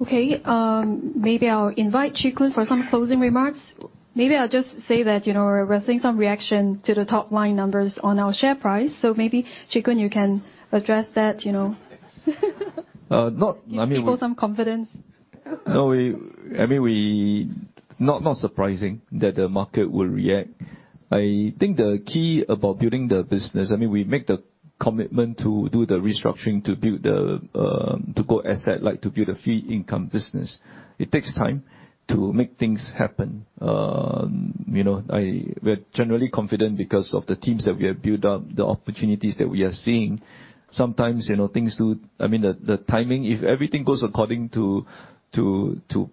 Okay. Maybe I'll invite Chee Koon for some closing remarks. Maybe I'll just say that, you know, we're seeing some reaction to the top line numbers on our share price, so maybe, Chee Koon, you can address that, you know. I mean we. Give people some confidence. No, I mean, not surprising that the market will react. I think the key about building the business. I mean, we make the commitment to do the restructuring to build the to grow asset, like to build a fee income business. It takes time to make things happen. You know, we're generally confident because of the teams that we have built up, the opportunities that we are seeing. Sometimes, you know, I mean, the timing, if everything goes according to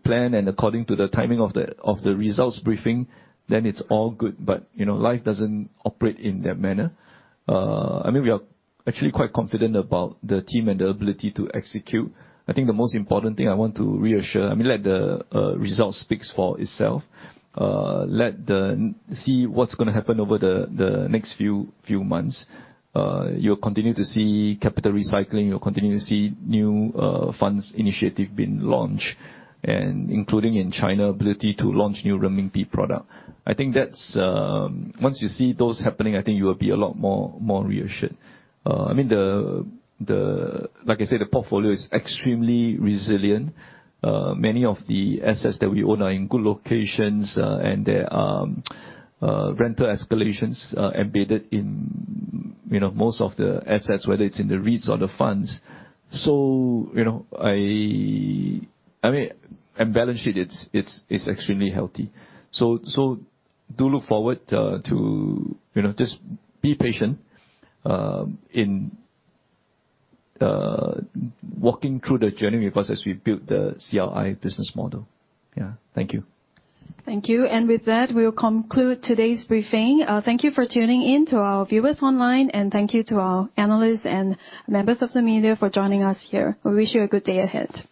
plan and according to the timing of the results briefing, then it's all good. You know, life doesn't operate in that manner. I mean, we are actually quite confident about the team and the ability to execute. I think the most important thing I want to reassure, I mean, let the results speaks for itself. See what's gonna happen over the next few months. You'll continue to see capital recycling. You'll continue to see new funds initiative being launched, and including in China, ability to launch new renminbi product. I think that's. Once you see those happening, I think you will be a lot more reassured. I mean, Like I said, the portfolio is extremely resilient. Many of the assets that we own are in good locations, and there are rental escalations embedded in, you know, most of the assets, whether it's in the REITs or the funds. You know, I mean, the balance sheet, it's extremely healthy. Do look forward to, you know, just be patient in walking through the journey with us as we build the CLI business model. Yeah. Thank you. Thank you. With that, we'll conclude today's briefing. Thank you for tuning in to our viewers online, and thank you to our analysts and members of the media for joining us here. We wish you a good day ahead.